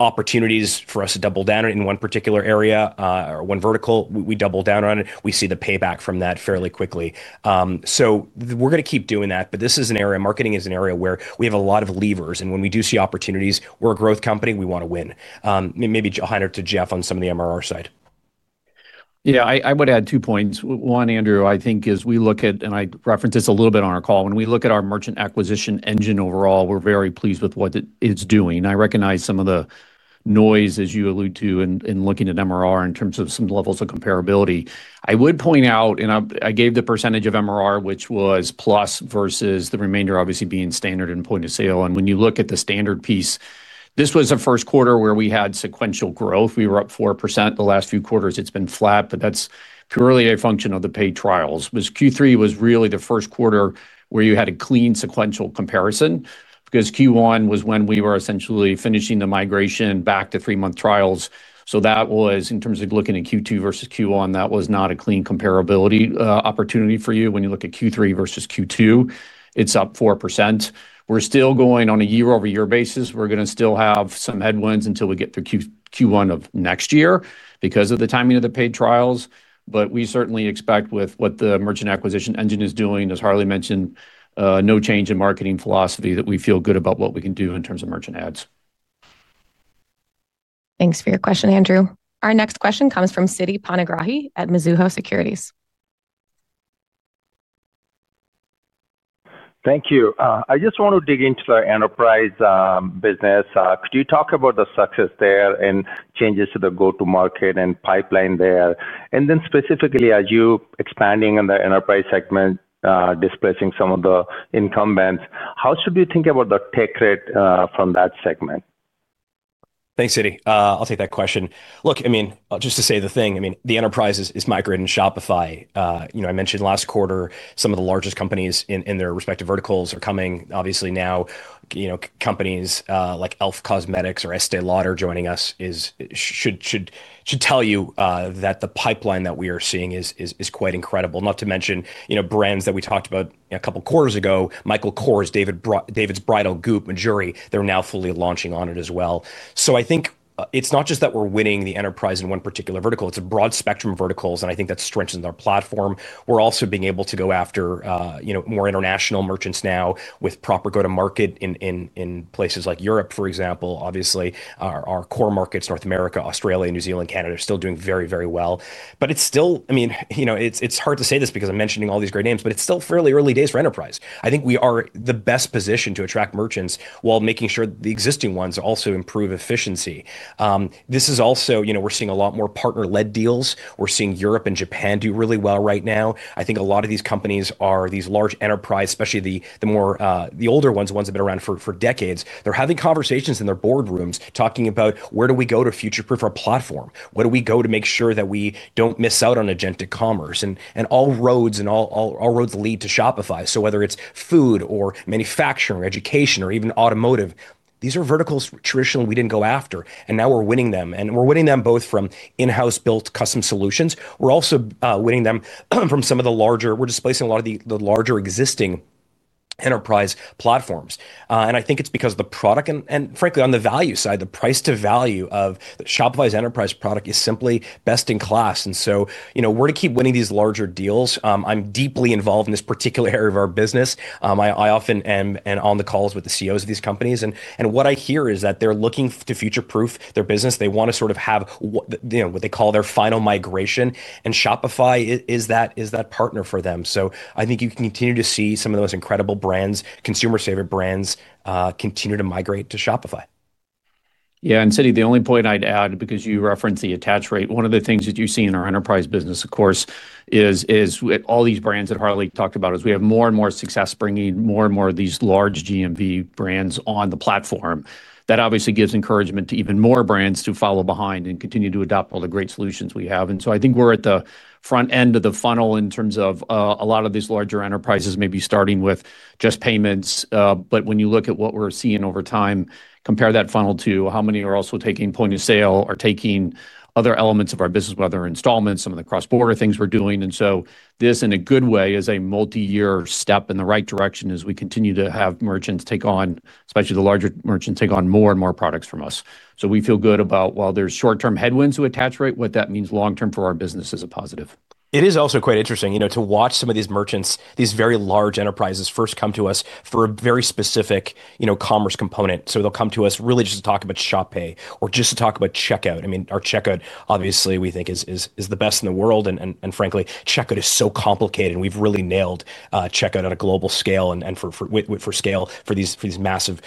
opportunities for us to double down in one particular area or one vertical. We double down on it. We see the payback from that fairly quickly. So we're going to keep doing that. But this is an area marketing is an area where we have a lot of levers. When we do see opportunities, we're a growth company. We want to win. Maybe I'll hand it to Jeff on some of the MRR side. Yeah, I would add two points. One, Andrew, I think is we look at, and I referenced this a little bit on our call. When we look at our merchant acquisition engine overall, we're very pleased with what it's doing. I recognize some of the noise, as you allude to, in looking at MRR in terms of some levels of comparability. I would point out, and I gave the percentage of MRR, which was plus versus the remainder obviously being standard and point of sale. When you look at the standard piece, this was a first quarter where we had sequential growth. We were up 4%. The last few quarters, it's been flat, but that's purely a function of the paid trials. Q3 was really the first quarter where you had a clean sequential comparison because Q1 was when we were essentially finishing the migration back to three-month trials. That was, in terms of looking at Q2 versus Q1, that was not a clean comparability opportunity for you. When you look at Q3 versus Q2, it's up 4%. We're still going on a year-over-year basis. We're going to still have some headwinds until we get through Q1 of next year because of the timing of the paid trials. We certainly expect with what the merchant acquisition engine is doing, as Harley mentioned, no change in marketing philosophy that we feel good about what we can do in terms of merchant ads. Thanks for your question, Andrew. Our next question comes from Siti Panigrahi at Mizuho Securities. Thank you. I just want to dig into the enterprise business. Could you talk about the success there and changes to the go-to-market and pipeline there? Then specifically, are you expanding in the enterprise segment, displacing some of the incumbents? How should we think about the take rate from that segment? Thanks, Siti. I'll take that question. Look, I mean, just to say the thing, I mean, the enterprise is migrating Shopify. I mentioned last quarter, some of the largest companies in their respective verticals are coming. Obviously now. Companies like e.l.f. Cosmetics or Estée Lauder joining us should. I'll tell you that the pipeline that we are seeing is quite incredible. Not to mention brands that we talked about a couple quarters ago, Michael Kors, David's Bridal, Goop, and Mejuri, they're now fully launching on it as well. So I think it's not just that we're winning the enterprise in one particular vertical. It's a broad spectrum of verticals, and I think that strengthens our platform. We're also being able to go after more international merchants now with proper go-to-market in places like Europe, for example. Obviously, our core markets, North America, Australia, New Zealand, Canada are still doing very, very well. But it's still, I mean, it's hard to say this because I'm mentioning all these great names, but it's still fairly early days for enterprise. I think we are the best position to attract merchants while making sure the existing ones also improve efficiency. This is also, we're seeing a lot more partner-led deals. We're seeing Europe and Japan do really well right now. I think a lot of these companies are these large enterprise, especially the older ones, the ones that have been around for decades. They're having conversations in their boardrooms talking about where do we go to future-proof our platform? Where do we go to make sure that we don't miss out on Agentic Commerce? And all roads lead to Shopify. So whether it's food or manufacturing or education or even automotive, these are verticals traditionally we didn't go after. And now we're winning them. And we're winning them both from in-house built custom solutions. We're also winning them from some of the larger we're displacing a lot of the larger existing enterprise platforms. And I think it's because of the product. And frankly, on the value side, the price to value of Shopify's enterprise product is simply best in class. And so we're to keep winning these larger deals. I'm deeply involved in this particular area of our business. I often am on the calls with the CEOs of these companies. And what I hear is that they're looking to future-proof their business. They want to sort of have what they call their final migration. And Shopify is that partner for them. So I think you can continue to see some of those incredible brands, consumer-saving brands, continue to migrate to Shopify. Yeah. And Siti, the only point I'd add, because you referenced the attach rate, one of the things that you see in our enterprise business, of course, is all these brands that Harley talked about is we have more and more success bringing more and more of these large GMV brands on the platform. That obviously gives encouragement to even more brands to follow behind and continue to adopt all the great solutions we have. And so I think we're at the front end of the funnel in terms of a lot of these larger enterprises, maybe starting with just payments. But when you look at what we're seeing over time, compare that funnel to how many are also taking point of sale or taking other elements of our business, whether installments, some of the cross-border things we're doing. And so this, in a good way, is a multi-year step in the right direction as we continue to have merchants take on, especially the larger merchants, take on more and more products from us. So we feel good about, while there's short-term headwinds to attach rate, what that means long-term for our business is a positive. It is also quite interesting to watch some of these merchants, these very large enterprises first come to us for a very specific commerce component. So they'll come to us really just to talk about ShopPay or just to talk about checkout. I mean, our checkout, obviously, we think is the best in the world. And frankly, checkout is so complicated. And we've really nailed checkout at a global scale and for scale for these massive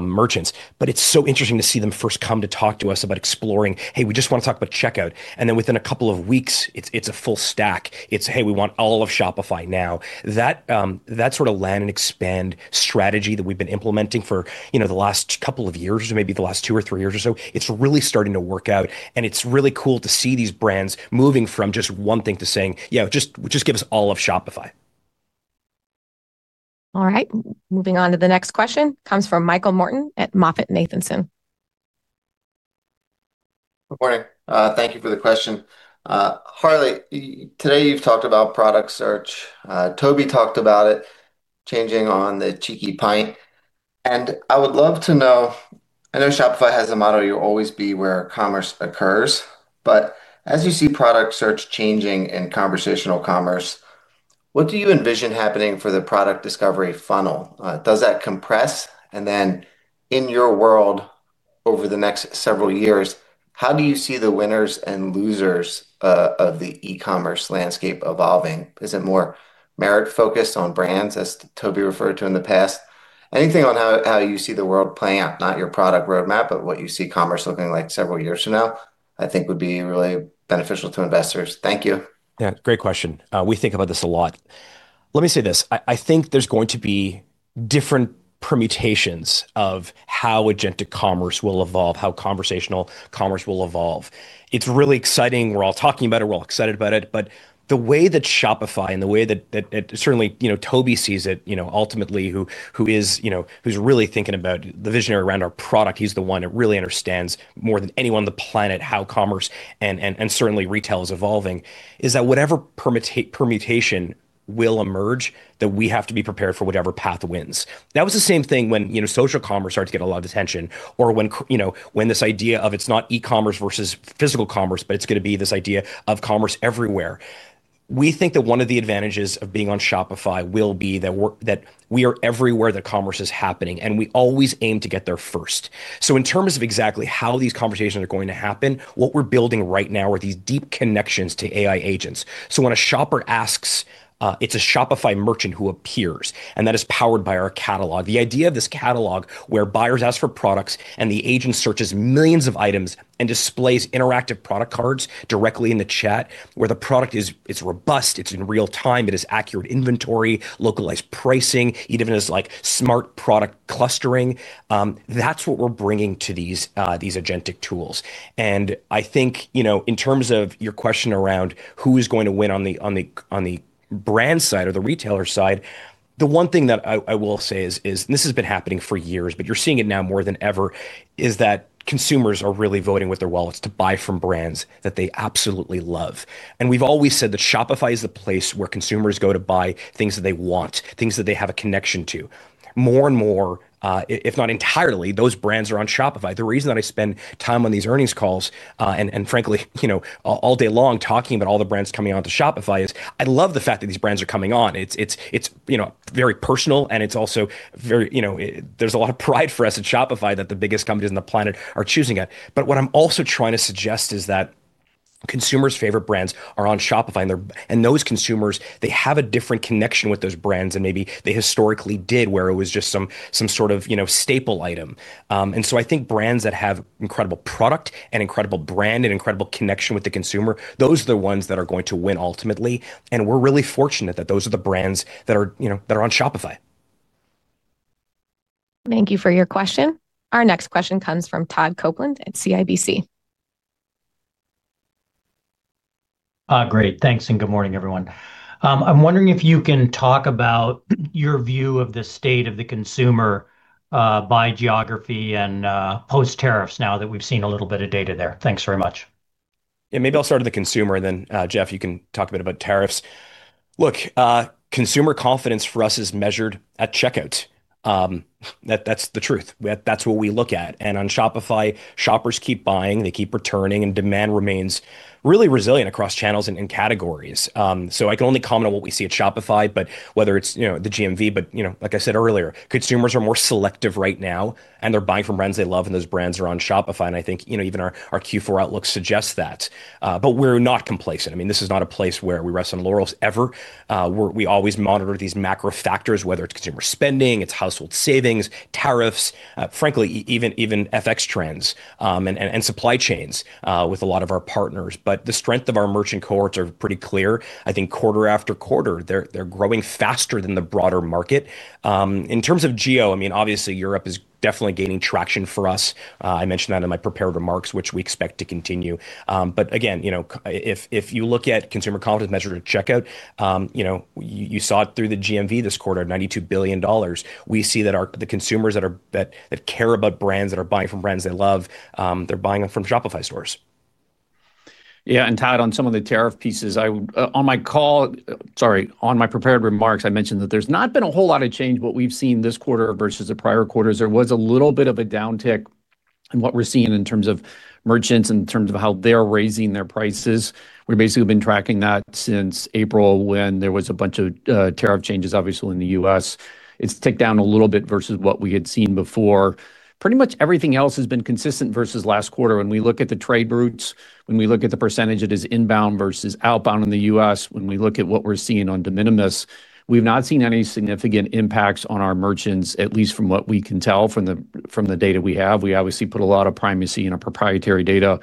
merchants. But it's so interesting to see them first come to talk to us about exploring, "Hey, we just want to talk about checkout." And then within a couple of weeks, it's a full stack. It's, "Hey, we want all of Shopify now." That sort of land and expand strategy that we've been implementing for the last couple of years, maybe the last two or three years or so, it's really starting to work out. And it's really cool to see these brands moving from just one thing to saying, "Just give us all of Shopify." All right. Moving on to the next question comes from Michael Morton at MoffettNathanson. Good morning. Thank you for the question. Harley, today you've talked about product search. Toby talked about it, changing on the cheap end. And I would love to know, I know Shopify has a motto: "You'll always be where commerce occurs." But as you see product search changing in conversational commerce, what do you envision happening for the product discovery funnel? Does that compress? And then, in your world, over the next several years, how do you see the winners and losers of the e-commerce landscape evolving? Is it more merit-focused on brands, as Toby referred to in the past? Anything on how you see the world playing out, not your product roadmap, but what you see commerce looking like several years from now, I think would be really beneficial to investors. Thank you. Yeah, great question. We think about this a lot. Let me say this: I think there's going to be different permutations of how Agentic Commerce will evolve, how conversational commerce will evolve. It's really exciting. We're all talking about it. We're all excited about it. But the way that Shopify and the way that certainly Toby sees it, ultimately, who is really thinking about the visionary around our product, he's the one that really understands more than anyone on the planet how commerce and certainly retail is evolving, is that whatever permutation will emerge, that we have to be prepared for whatever path wins. That was the same thing when social commerce started to get a lot of attention, or when this idea of it's not e-commerce versus physical commerce, but it's going to be this idea of commerce everywhere. We think that one of the advantages of being on Shopify will be that we are everywhere that commerce is happening, and we always aim to get there first. So in terms of exactly how these conversations are going to happen, what we're building right now are these deep connections to AI agents. So when a shopper asks, it's a Shopify merchant who appears, and that is powered by our catalog. The idea of this catalog where buyers ask for products and the agent searches millions of items and displays interactive product cards directly in the chat, where the product is robust, it's in real time, it has accurate inventory, localized pricing, even as smart product clustering, that's what we're bringing to these Agentic tools. And I think in terms of your question around who is going to win on the brand side or the retailer side, the one thing that I will say is, and this has been happening for years, but you're seeing it now more than ever, is that consumers are really voting with their wallets to buy from brands that they absolutely love. And we've always said that Shopify is the place where consumers go to buy things that they want, things that they have a connection to. More and more, if not entirely, those brands are on Shopify. The reason that I spend time on these earnings calls, and frankly all day long talking about all the brands coming on to Shopify, is I love the fact that these brands are coming on. It's very personal, and it's also very. There's a lot of pride for us at Shopify that the biggest companies on the planet are choosing it. But what I'm also trying to suggest is that consumers' favorite brands are on Shopify. And those consumers, they have a different connection with those brands than maybe they historically did, where it was just some sort of staple item. And so I think brands that have incredible product and incredible brand and incredible connection with the consumer, those are the ones that are going to win ultimately. And we're really fortunate that those are the brands that are on Shopify. Thank you for your question. Our next question comes from Todd Coupland at CIBC. Great. Thanks. And good morning, everyone. I'm wondering if you can talk about your view of the state of the consumer. By geography and post-tariff now that we've seen a little bit of data there. Thanks very much. Yeah, maybe I'll start with the consumer. And then, Jeff, you can talk a bit about tariffs. Look, consumer confidence for us is measured at checkout. That's the truth. That's what we look at. And on Shopify, shoppers keep buying, they keep returning, and demand remains really resilient across channels and categories. So I can only comment on what we see at Shopify, but whether it's the GMV, but like I said earlier, consumers are more selective right now, and they're buying from brands they love, and those brands are on Shopify. And I think even our Q4 outlook suggests that. But we're not complacent. I mean, this is not a place where we rest on laurels ever. We always monitor these macro factors, whether it's consumer spending, it's household savings, tariffs, frankly, even FX trends and supply chains with a lot of our partners. But the strength of our merchant cohorts are pretty clear. I think quarter after quarter, they're growing faster than the broader market. In terms of geo, I mean, obviously, Europe is definitely gaining traction for us. I mentioned that in my prepared remarks, which we expect to continue. But again. If you look at consumer confidence measured at checkout. You saw it through the GMV this quarter of $92 billion. We see that the consumers that care about brands, that are buying from brands they love, they're buying them from Shopify stores. Yeah. And Todd, on some of the tariff pieces, on my call, sorry, on my prepared remarks, I mentioned that there's not been a whole lot of change. What we've seen this quarter versus the prior quarters, there was a little bit of a downtick in what we're seeing in terms of merchants, in terms of how they're raising their prices. We've basically been tracking that since April when there was a bunch of tariff changes, obviously, in the U.S. It's ticked down a little bit versus what we had seen before. Pretty much everything else has been consistent versus last quarter. When we look at the trade routes, when we look at the percentage that is inbound versus outbound in the U.S., when we look at what we're seeing on de minimis, we've not seen any significant impacts on our merchants, at least from what we can tell from the data we have. We obviously put a lot of primacy in our proprietary data.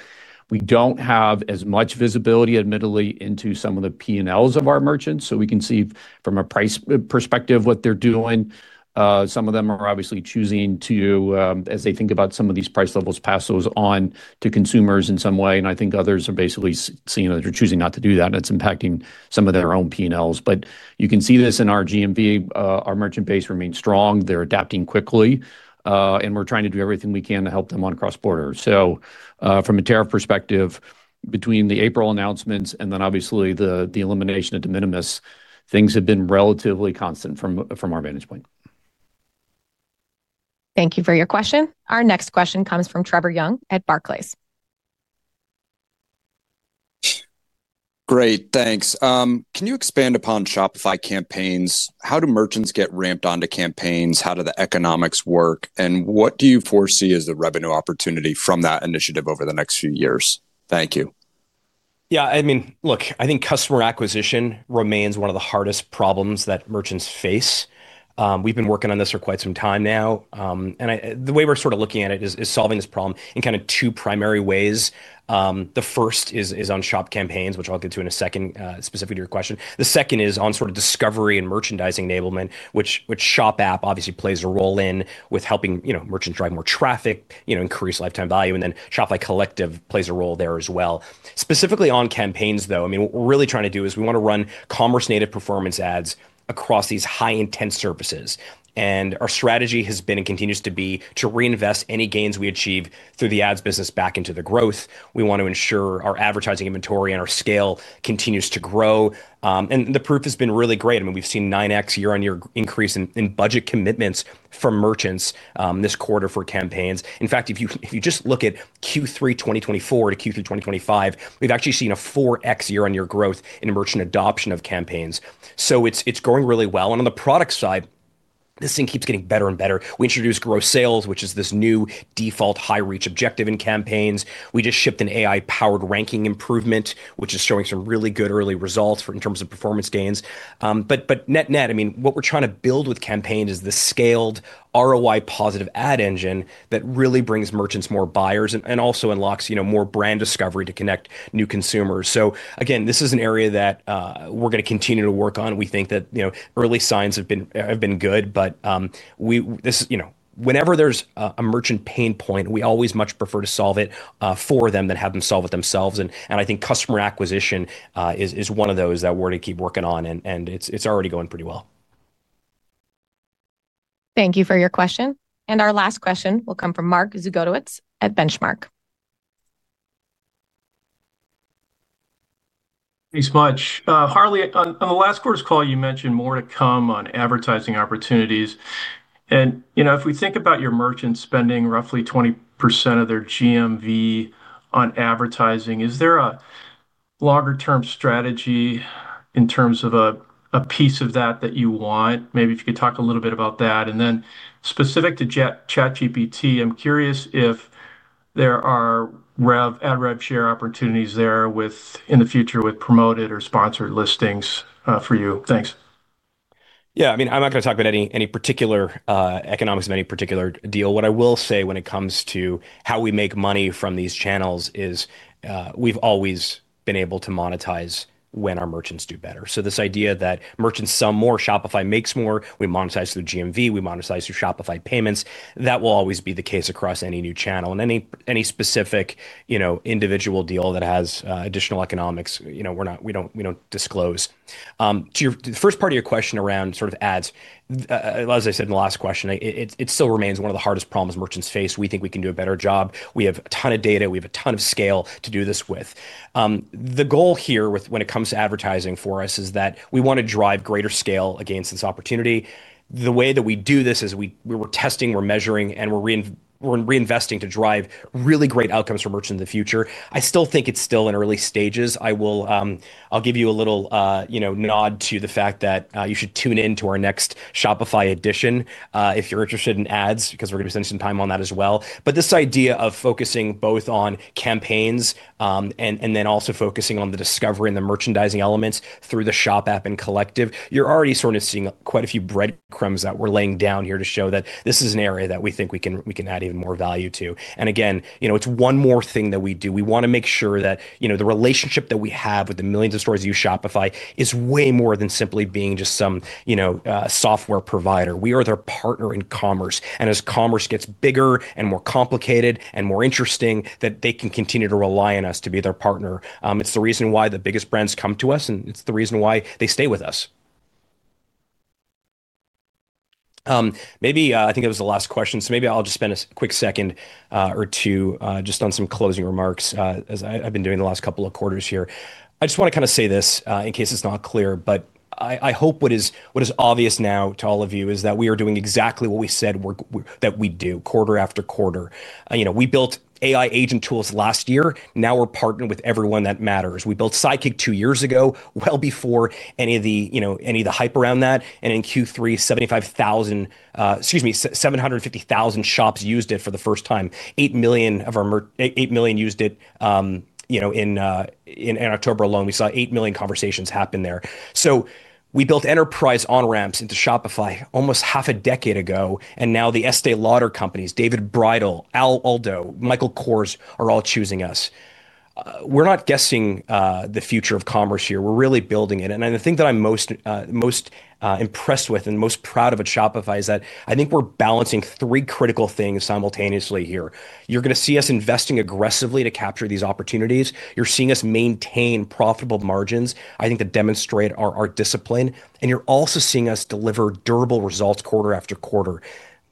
We don't have as much visibility, admittedly, into some of the P&Ls of our merchants. So we can see from a price perspective what they're doing. Some of them are obviously choosing to, as they think about some of these price levels, pass those on to consumers in some way. And I think others are basically seeing that they're choosing not to do that, and it's impacting some of their own P&Ls. But you can see this in our GMV. Our merchant base remains strong. They're adapting quickly, and we're trying to do everything we can to help them on cross-border. So from a tariff perspective, between the April announcements and then obviously the elimination of de minimis, things have been relatively constant from our vantage point. Thank you for your question. Our next question comes from Trevor Young at Barclays. Great. Thanks. Can you expand upon Shopify Campaigns? How do merchants get ramped onto campaigns? How do the economics work? And what do you foresee as the revenue opportunity from that initiative over the next few years? Thank you. Yeah. I mean, look, I think customer acquisition remains one of the hardest problems that merchants face. We've been working on this for quite some time now, and the way we're sort of looking at it is solving this problem in kind of two primary ways. The first is on Shop Campaigns, which I'll get to in a second, specifically to your question. The second is on sort of discovery and merchandising enablement, which Shop App obviously plays a role in with helping merchants drive more traffic, increase lifetime value. And then Shopify Collective plays a role there as well. Specifically on campaigns, though, I mean, what we're really trying to do is we want to run commerce-native performance ads across these high-intent services. And our strategy has been and continues to be to reinvest any gains we achieve through the ads business back into the growth. We want to ensure our advertising inventory and our scale continues to grow. And the proof has been really great. I mean, we've seen 9x year-on-year increase in budget commitments from merchants this quarter for campaigns. In fact, if you just look at Q3 2024 to Q3 2025, we've actually seen a 4x year-on-year growth in merchant adoption of campaigns. So it's growing really well. And on the product side, this thing keeps getting better and better. We introduced gross sales, which is this new default high-reach objective in campaigns. We just shipped an AI-powered ranking improvement, which is showing some really good early results in terms of performance gains. But net-net, I mean, what we're trying to build with campaigns is the scaled ROI-positive ad engine that really brings merchants more buyers and also unlocks more brand discovery to connect new consumers. So again, this is an area that we're going to continue to work on. We think that early signs have been good. But whenever there's a merchant pain point, we always much prefer to solve it for them than have them solve it themselves. And I think customer acquisition is one of those that we're going to keep working on. And it's already going pretty well. Thank you for your question. And our last question will come from Mark Zgutowicz at Benchmark. Thanks so much. Harley, on the last quarter's call, you mentioned more to come on advertising opportunities. And if we think about your merchants spending roughly 20% of their GMV on advertising, is there a longer-term strategy in terms of a piece of that that you want? Maybe if you could talk a little bit about that. And then specific to ChatGPT, I'm curious if there are ad revenue share opportunities there in the future with promoted or sponsored listings for you. Thanks. Yeah. I mean, I'm not going to talk about any particular economics of any particular deal. What I will say when it comes to how we make money from these channels is we've always been able to monetize when our merchants do better. So this idea that merchants sell more, Shopify makes more, we monetize through GMV, we monetize through Shopify Payments, that will always be the case across any new channel. And any specific individual deal that has additional economics, we don't disclose. The first part of your question around sort of ads. As I said in the last question, it still remains one of the hardest problems merchants face. We think we can do a better job. We have a ton of data. We have a ton of scale to do this with. The goal here when it comes to advertising for us is that we want to drive greater scale against this opportunity. The way that we do this is we're testing, we're measuring, and we're reinvesting to drive really great outcomes for merchants in the future. I still think it's in early stages. I'll give you a little nod to the fact that you should tune in to our next Shopify Editions if you're interested in ads because we're going to be spending some time on that as well. But this idea of focusing both on Shopify Campaigns and then also focusing on the discovery and the merchandising elements through the Shop App and Collective, you're already sort of seeing quite a few breadcrumbs that we're laying down here to show that this is an area that we think we can add even more value to. And again, it's one more thing that we do. We want to make sure that the relationship that we have with the millions of stores that use Shopify is way more than simply being just some software provider. We are their partner in commerce. And as commerce gets bigger and more complicated and more interesting, that they can continue to rely on us to be their partner. It's the reason why the biggest brands come to us, and it's the reason why they stay with us. Maybe I think it was the last question. So maybe I'll just spend a quick second or two just on some closing remarks as I've been doing the last couple of quarters here. I just want to kind of say this in case it's not clear, but I hope what is obvious now to all of you is that we are doing exactly what we said that we do quarter after quarter. We built AI agent tools last year. Now we're partnering with everyone that matters. We built Sidekick two years ago, well before any of the hype around that. And in Q3, 75,000, excuse me, 750,000 shops used it for the first time. 8 million of our 8 million used it. In October alone. We saw 8 million conversations happen there. So we built enterprise on-ramps into Shopify almost half a decade ago. And now the Estée Lauder Companies, David's Bridal, Aldo, Michael Kors, are all choosing us. We're not guessing the future of commerce here. We're really building it. And the thing that I'm most impressed with and most proud of at Shopify is that I think we're balancing three critical things simultaneously here. You're going to see us investing aggressively to capture these opportunities. You're seeing us maintain profitable margins, I think, to demonstrate our discipline. And you're also seeing us deliver durable results quarter after quarter.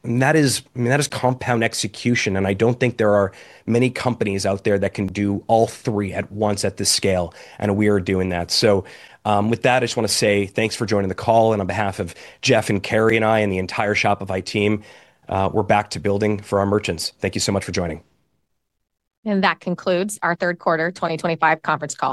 And that is compound execution. And I don't think there are many companies out there that can do all three at once at this scale. And we are doing that. So with that, I just want to say thanks for joining the call. And on behalf of Jeff and Carrie and I and the entire Shopify team, we're back to building for our merchants. Thank you so much for joining. And that concludes our third quarter 2025 conference call.